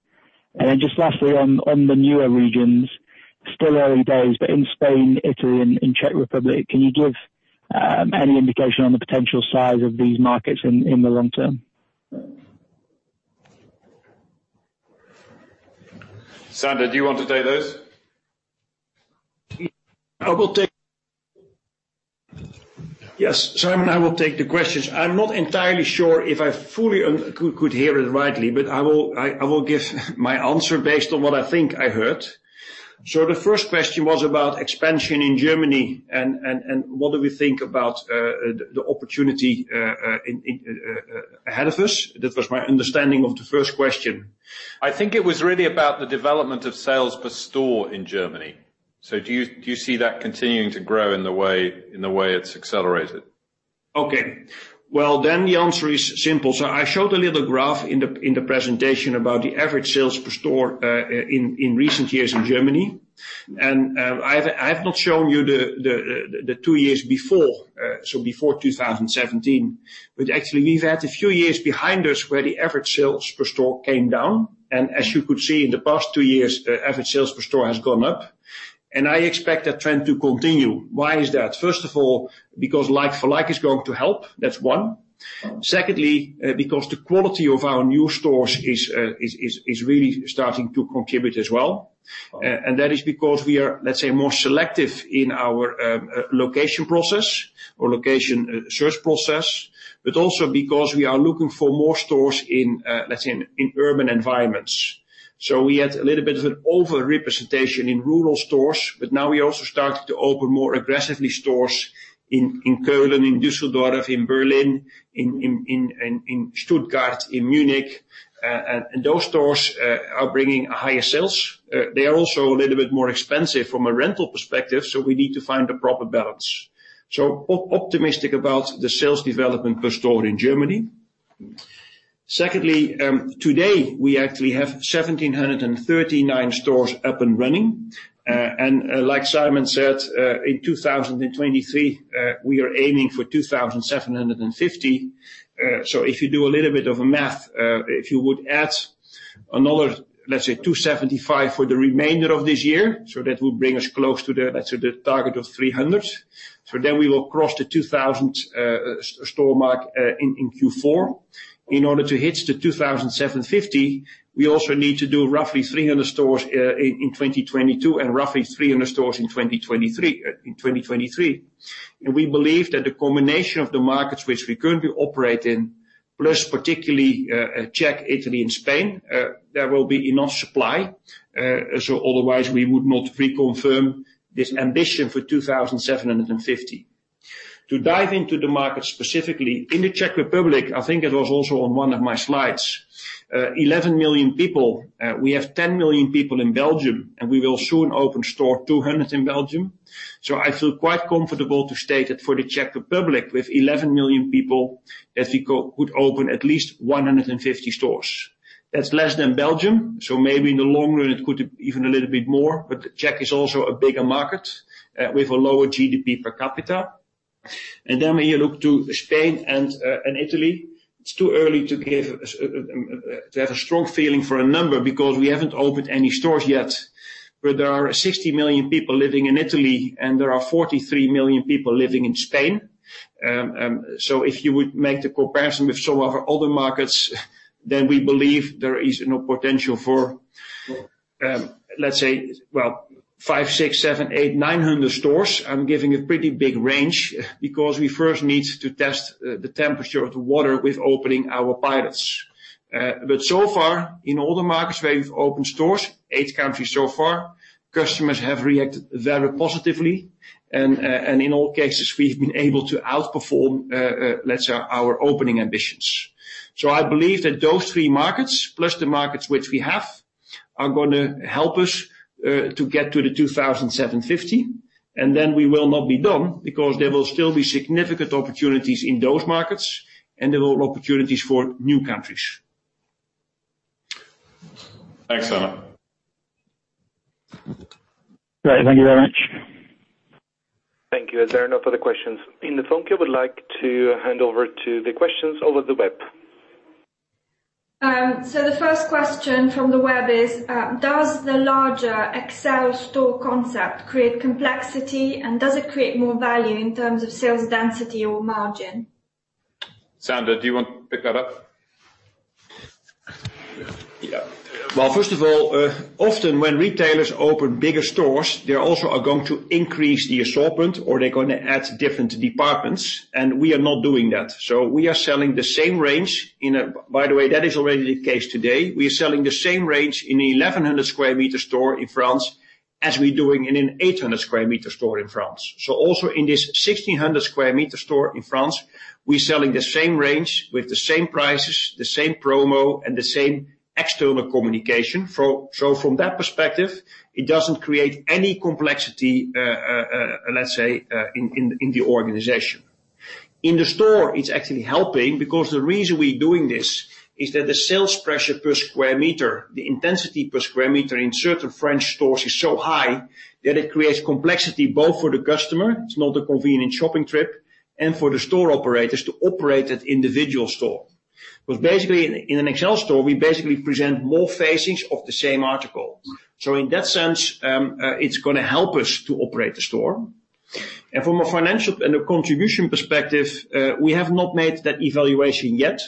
Just lastly on the newer regions, still early days, but in Spain, Italy, and in Czech Republic, can you give any indication on the potential size of these markets in the long term? Sander, do you want to take those? Yes, Simon, I will take the questions. I'm not entirely sure if I fully could hear it rightly, but I will give my answer based on what I think I heard. The first question was about expansion in Germany and what do we think about the opportunity ahead of us. That was my understanding of the first question. I think it was really about the development of sales per store in Germany. Do you see that continuing to grow in the way it's accelerated? Well, then the answer is simple. I showed a little graph in the presentation about the average sales per store in recent years in Germany. I've not shown you the two years before, so before 2017. Actually we've had a few years behind us where the average sales per store came down. As you could see in the past two years, average sales per store has gone up, and I expect that trend to continue. Why is that? First of all, because like-for-like is going to help. That's one. Secondly, because the quality of our new stores is really starting to contribute as well. That is because we are, let's say, more selective in our location process or location search process, but also because we are looking for more stores in urban environments. We had a little bit of an over-representation in rural stores, but now we also started to open more aggressively stores in Cologne, in Düsseldorf, in Berlin, in Stuttgart, in Munich. Those stores are bringing higher sales. They are also a little bit more expensive from a rental perspective, so we need to find the proper balance. Optimistic about the sales development per store in Germany. Secondly, today we actually have 1,739 stores up and running. Like Simon said, in 2023, we are aiming 2,750 stores stores. If you do a little bit of a math, if you would add another, let's say, 275 stores for the remainder of this year, so that will bring us close to the target of 300 stores. Then we will cross the 2,000 store mark in Q4. In order to hit 2,750 stores stores, we also need to do roughly 300 stores in 2022 and roughly 300 stores in 2023. We believe that the combination of the markets which we currently operate in, plus particularly Czech, Italy, and Spain, there will be enough supply. Otherwise we would not reconfirm this ambition 2,750 stores stores. To dive into the market specifically, in the Czech Republic, I think it was also on one of my slides, 11 million people. We have 10 million people in Belgium, and we will soon open store 200 in Belgium. I feel quite comfortable to state that for the Czech Republic, with 11 million people, that we could open at least 150 stores. That's less than Belgium, so maybe in the long run it could even a little bit more, but Czech is also a bigger market with a lower GDP per capita. When you look to Spain and Italy, it's too early to have a strong feeling for a number because we haven't opened any stores yet, but there are 60 million people living in Italy and there are 43 million people living in Spain. If you would make the comparison with some of our other markets, we believe there is enough potential for, let's say, 500 stores, 600 stores, 700 stores, 800 stores, 900 stores. I'm giving a pretty big range because we first need to test the temperature of the water with opening our pilots. So far, in all the markets where we've opened stores, eight countries so far, customers have reacted very positively, and in all cases we've been able to outperform our opening ambitions. I believe that those three markets, plus the markets which we have, are going to help us to get to 2,750 stores, and then we will not be done because there will still be significant opportunities in those markets and there will be opportunities for new countries. Thanks, Sander. Great, thank you very much. Thank you. As there are no further questions in the phone queue, I would like to hand over to the questions over the web. The first question from the web is, does the larger XL store concept create complexity, and does it create more value in terms of sales density or margin? Sander, do you want to pick that up? Well, first of all, often when retailers open bigger stores, they also are going to increase the assortment, or they're going to add different departments, and we are not doing that. We are selling the same range. By the way, that is already the case today. We are selling the same range in 1,100 sq m store in France as we're doing in an 800 sq m store in France. Also in this 1,600 sq m store in France, we're selling the same range with the same prices, the same promo, and the same external communication. From that perspective, it doesn't create any complexity in the organization. In the store, it's actually helping because the reason we're doing this is that the sales pressure per square meter, the intensity per square meter in certain French stores is so high that it creates complexity both for the customer, it's not a convenient shopping trip, and for the store operators to operate that individual store. Because basically, in an XL store, we basically present more facings of the same article. In that sense, it's going to help us to operate the store. From a financial and a contribution perspective, we have not made that evaluation yet.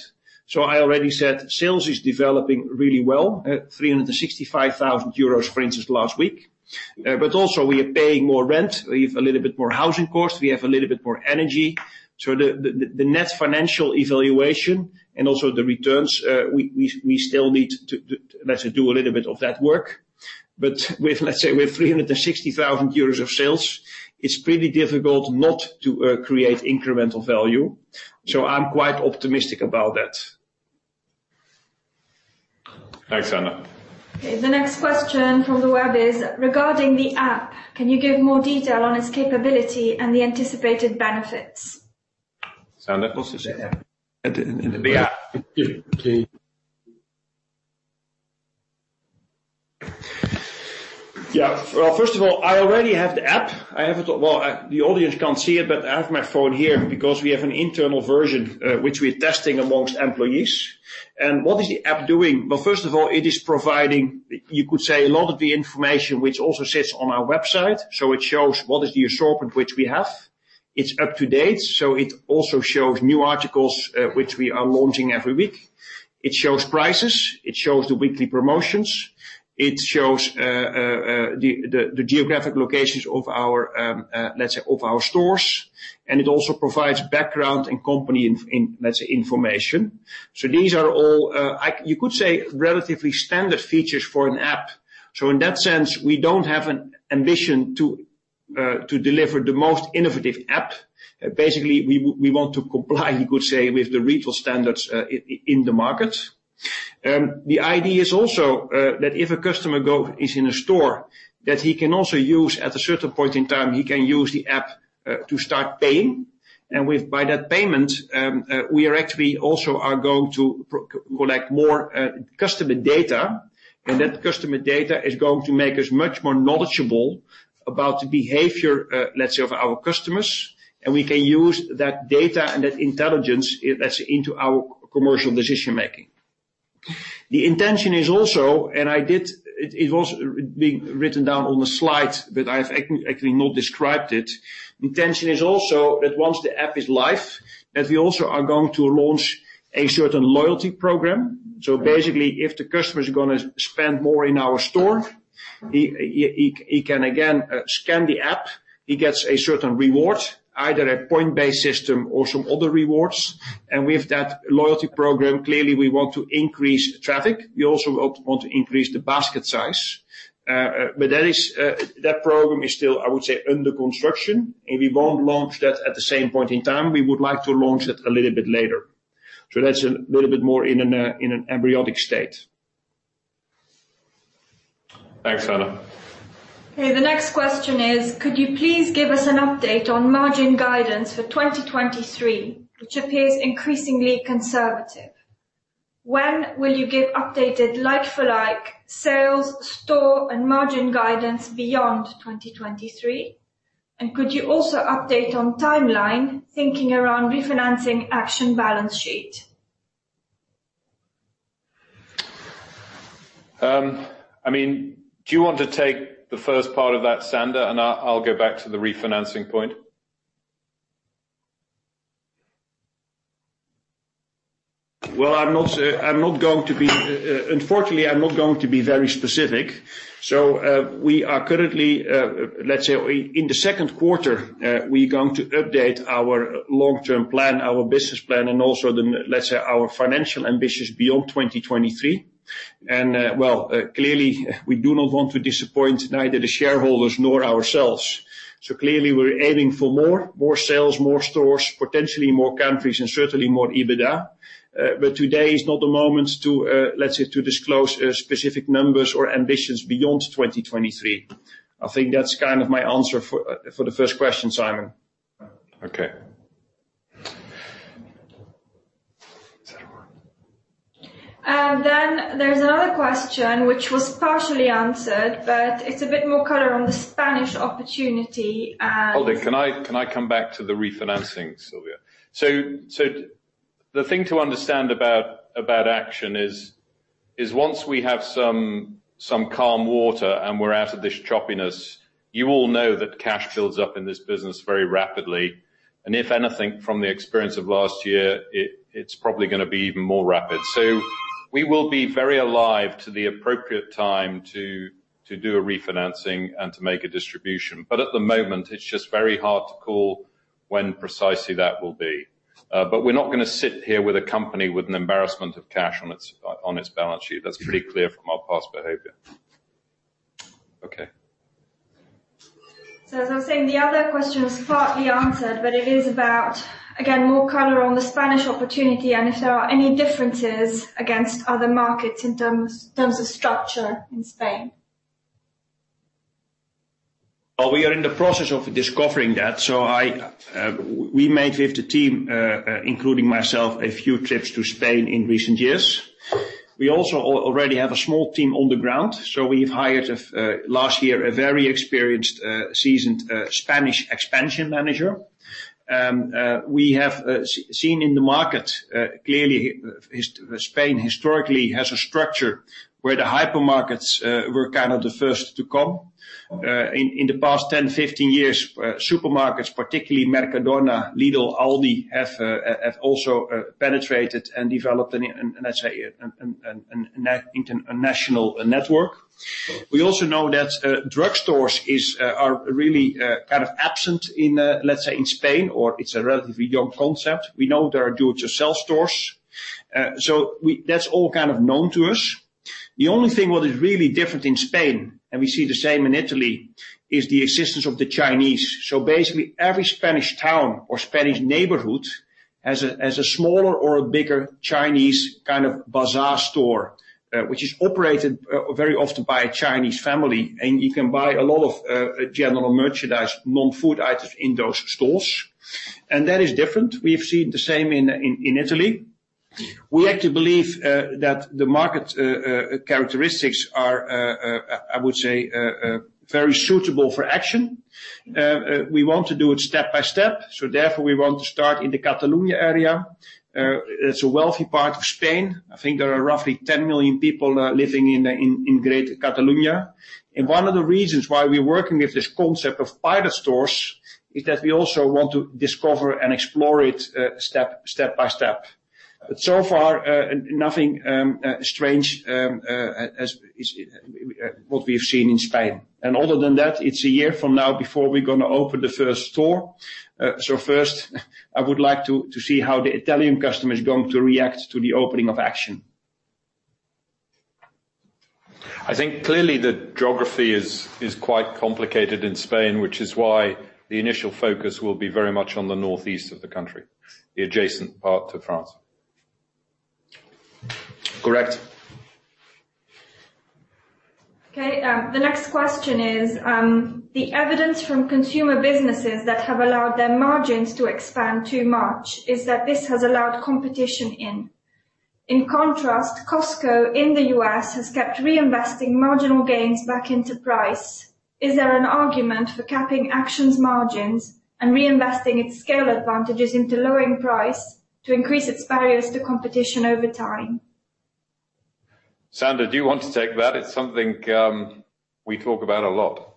I already said sales is developing really well at 365,000 euros, for instance, last week. Also we are paying more rent, we have a little bit more housing costs, we have a little bit more energy. The net financial evaluation and also the returns, we still need to do a little bit of that work. With 360,000 euros of sales, it's pretty difficult not to create incremental value. I'm quite optimistic about that. Thanks, Sander. The next question from the web is, regarding the app, can you give more detail on its capability and the anticipated benefits? Sander, want to take that? The app. Yeah. Well, first of all, I already have the app. The audience can't see it, but I have my phone here because we have an internal version, which we're testing amongst employees. What is the app doing? Well, first of all, it is providing, you could say, a lot of the information which also sits on our website. It shows what is the assortment which we have. It's up to date, it also shows new articles which we are launching every week. It shows prices, it shows the weekly promotions, it shows the geographic locations of our stores, and it also provides background and company information. These are all, you could say, relatively standard features for an app. In that sense, we don't have an ambition to deliver the most innovative app. Basically, we want to comply, you could say, with the retail standards in the market. The idea is also that if a customer is in a store, that he can also use, at a certain point in time, the app to start paying. By that payment, we are actually also going to collect more customer data, and that customer data is going to make us much more knowledgeable about the behavior of our customers, and we can use that data and that intelligence into our commercial decision-making. The intention is also, and it was being written down on the slide, but I've actually not described it. The intention is also that once the app is live, that we also are going to launch a certain loyalty program. Basically, if the customer is going to spend more in our store, he can, again, scan the app. He gets a certain reward, either a point-based system or some other rewards. With that loyalty program, clearly, we want to increase traffic. We also want to increase the basket size. That program is still, I would say, under construction, and we won't launch that at the same point in time. We would like to launch that a little bit later. That's a little bit more in an embryonic state. Thanks, Sander. Okay, the next question is, could you please give us an update on margin guidance for 2023, which appears increasingly conservative? When will you give updated like-for-like sales, store, and margin guidance beyond 2023? Could you also update on timeline, thinking around refinancing Action balance sheet? Do you want to take the first part of that, Sander? I'll go back to the refinancing point. Well, unfortunately, I'm not going to be very specific. We are currently, let's say in the second quarter, we're going to update our long-term plan, our business plan, and also let's say our financial ambitions beyond 2023. Well, clearly, we do not want to disappoint neither the shareholders nor ourselves. Clearly, we're aiming for more, more sales, more stores, potentially more countries, and certainly more EBITDA. Today is not the moment to, let's say, to disclose specific numbers or ambitions beyond 2023. I think that's kind of my answer for the first question, Simon. Okay. There's another question which was partially answered, but it's a bit more color on the Spanish opportunity. Hold it. Can I come back to the refinancing, Silvia? The thing to understand about Action is once we have some calm water and we're out of this choppiness, you all know that cash builds up in this business very rapidly, and if anything, from the experience of last year, it's probably going to be even more rapid. We will be very alive to the appropriate time to do a refinancing and to make a distribution. At the moment, it's just very hard to call when precisely that will be. We're not going to sit here with a company with an embarrassment of cash on its balance sheet. That's pretty clear from our past behavior. Okay. As I was saying, the other question was partly answered, but it is about, again, more color on the Spanish opportunity and if there are any differences against other markets in terms of structure in Spain? Well, we are in the process of discovering that. We made with the team, including myself, a few trips to Spain in recent years. We also already have a small team on the ground, so we've hired, last year, a very experienced, seasoned Spanish expansion manager. We have seen in the market, clearly, Spain historically has a structure where the hypermarkets were kind of the first to come. In the past 10 years, 15 years, supermarkets, particularly Mercadona, Lidl, Aldi, have also penetrated and developed a national network. We also know that drugstores are really kind of absent in Spain, or it's a relatively young concept. We know there are do-it-yourself stores. That's all kind of known to us. The only thing what is really different in Spain, and we see the same in Italy, is the existence of the Chinese. Basically, every Spanish town or Spanish neighborhood has a smaller or a bigger Chinese bazaar store, which is operated very often by a Chinese family, and you can buy all of general merchandise, non-food items in those stores. That is different. We have seen the same in Italy. We like to believe that the market characteristics are, I would say, very suitable for Action. We want to do it step by step, so therefore we want to start in the Catalunya area. It's a wealthy part of Spain. I think there are roughly 10 million people living in greater Catalunya. One of the reasons why we're working with this concept of pilot stores is that we also want to discover and explore it step by step. So far, nothing strange, as what we've seen in Spain. Other than that, it's a year from now before we're going to open the first store. First, I would like to see how the Italian customer is going to react to the opening of Action. I think clearly the geography is quite complicated in Spain, which is why the initial focus will be very much on the northeast of the country, the adjacent part to France. Correct. Okay. The next question is, the evidence from consumer businesses that have allowed their margins to expand too much is that this has allowed competition in. Costco in the U.S. has kept reinvesting marginal gains back into price. Is there an argument for capping Action's margins and reinvesting its scale advantages into lowering price to increase its barriers to competition over time? Sander, do you want to take that? It's something we talk about a lot.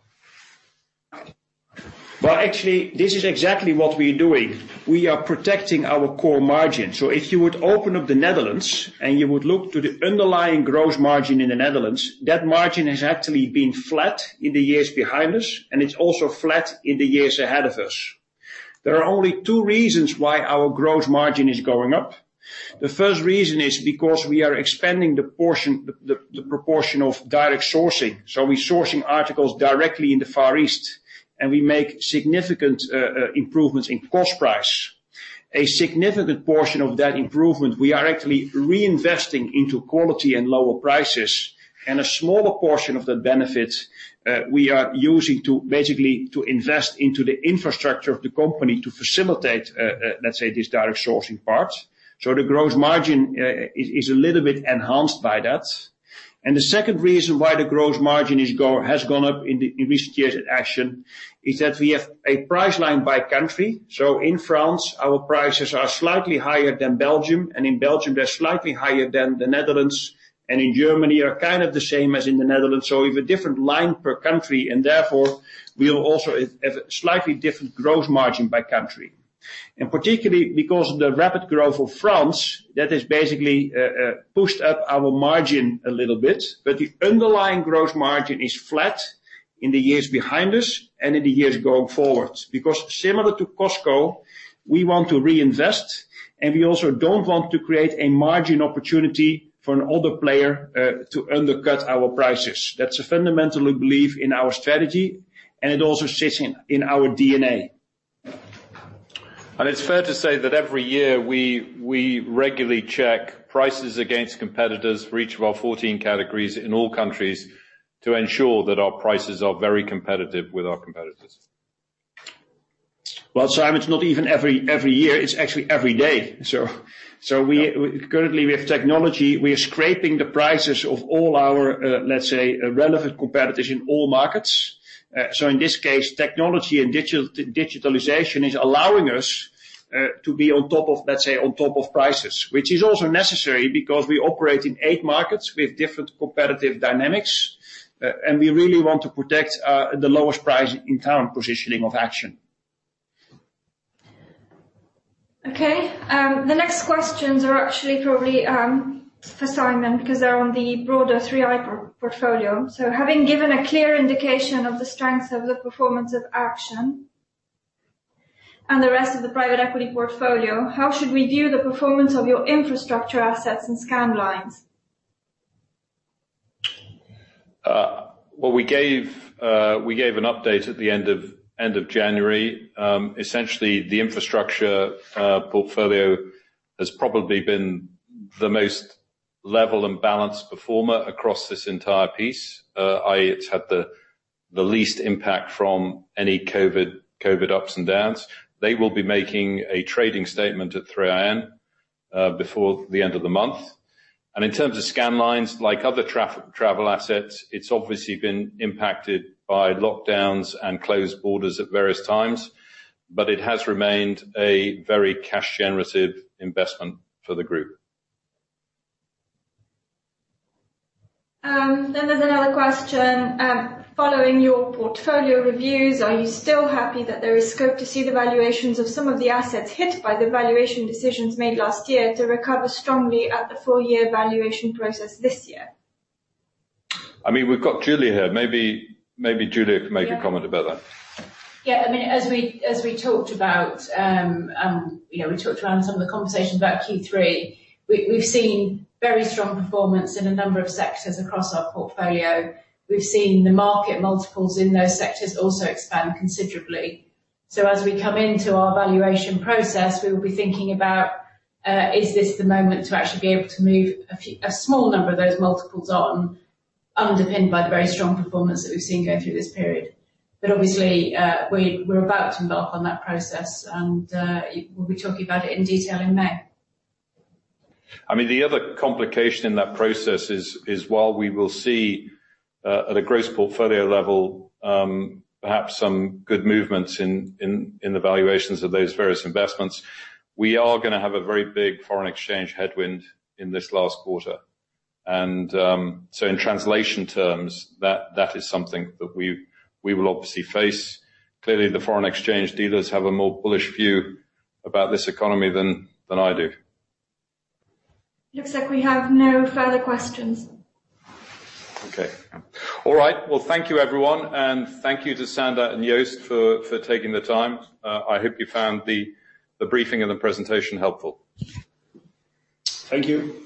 Well, actually, this is exactly what we are doing. We are protecting our core margin. If you would open up the Netherlands and you would look to the underlying gross margin in the Netherlands, that margin has actually been flat in the years behind us, and it's also flat in the years ahead of us. There are only two reasons why our gross margin is going up. The first reason is because we are expanding the proportion of direct sourcing. We're sourcing articles directly in the Far East, and we make significant improvements in cost price. A significant portion of that improvement, we are actually reinvesting into quality and lower prices. A smaller portion of the benefit, we are using to basically invest into the infrastructure of the company to facilitate, let's say, this direct sourcing part. The gross margin is a little bit enhanced by that. The second reason why the gross margin has gone up in recent years at Action, is that we have a price line by country. In France, our prices are slightly higher than Belgium, and in Belgium, they're slightly higher than the Netherlands. In Germany, are kind of the same as in the Netherlands. We have a different line per country, and therefore, we will also have a slightly different gross margin by country. Particularly, because of the rapid growth of France, that has basically pushed up our margin a little bit. The underlying gross margin is flat in the years behind us and in the years going forward. Similar to Costco, we want to reinvest, and we also don't want to create a margin opportunity for another player to undercut our prices. That's a fundamental belief in our strategy, and it also sits in our DNA. It's fair to say that every year we regularly check prices against competitors for each of our 14 categories in all countries to ensure that our prices are very competitive with our competitors. Well, Simon, it's not even every year, it's actually every day. We currently have technology. We are scraping the prices of all our, let's say, relevant competitors in all markets. In this case, technology and digitalization is allowing us to be on top of, let's say, on top of prices. Which is also necessary because we operate in eight markets with different competitive dynamics, and we really want to protect the lowest price in town positioning of Action. The next questions are actually probably for Simon because they're on the broader 3i portfolio. Having given a clear indication of the strength of the performance of Action and the rest of the private equity portfolio, how should we view the performance of your infrastructure assets and Scandlines? Well, we gave an update at the end of January. Essentially, the infrastructure portfolio has probably been the most level and balanced performer across this entire piece, i.e., it's had the least impact from any COVID ups and downs. They will be making a trading statement at 3iN before the end of the month. In terms of Scandlines, like other travel assets, it's obviously been impacted by lockdowns and closed borders at various times, but it has remained a very cash generative investment for the group. There's another question. Following your portfolio reviews, are you still happy that there is scope to see the valuations of some of the assets hit by the valuation decisions made last year to recover strongly at the full year valuation process this year? We've got Julia here. Maybe Julia can make a comment about that. As we talked about, we talked around some of the conversations about Q3. We've seen very strong performance in a number of sectors across our portfolio. We've seen the market multiples in those sectors also expand considerably. As we come into our valuation process, we will be thinking about, is this the moment to actually be able to move a small number of those multiples on, underpinned by the very strong performance that we've seen going through this period. Obviously, we're about to embark on that process, and we'll be talking about it in detail in May. The other complication in that process is while we will see, at a gross portfolio level, perhaps some good movements in the valuations of those various investments, we are going to have a very big foreign exchange headwind in this last quarter. In translation terms, that is something that we will obviously face. Clearly, the foreign exchange dealers have a more bullish view about this economy than I do. Looks like we have no further questions. Okay. All right. Thank you everyone, and thank you to Sander and Joost for taking the time. I hope you found the briefing and the presentation helpful. Thank you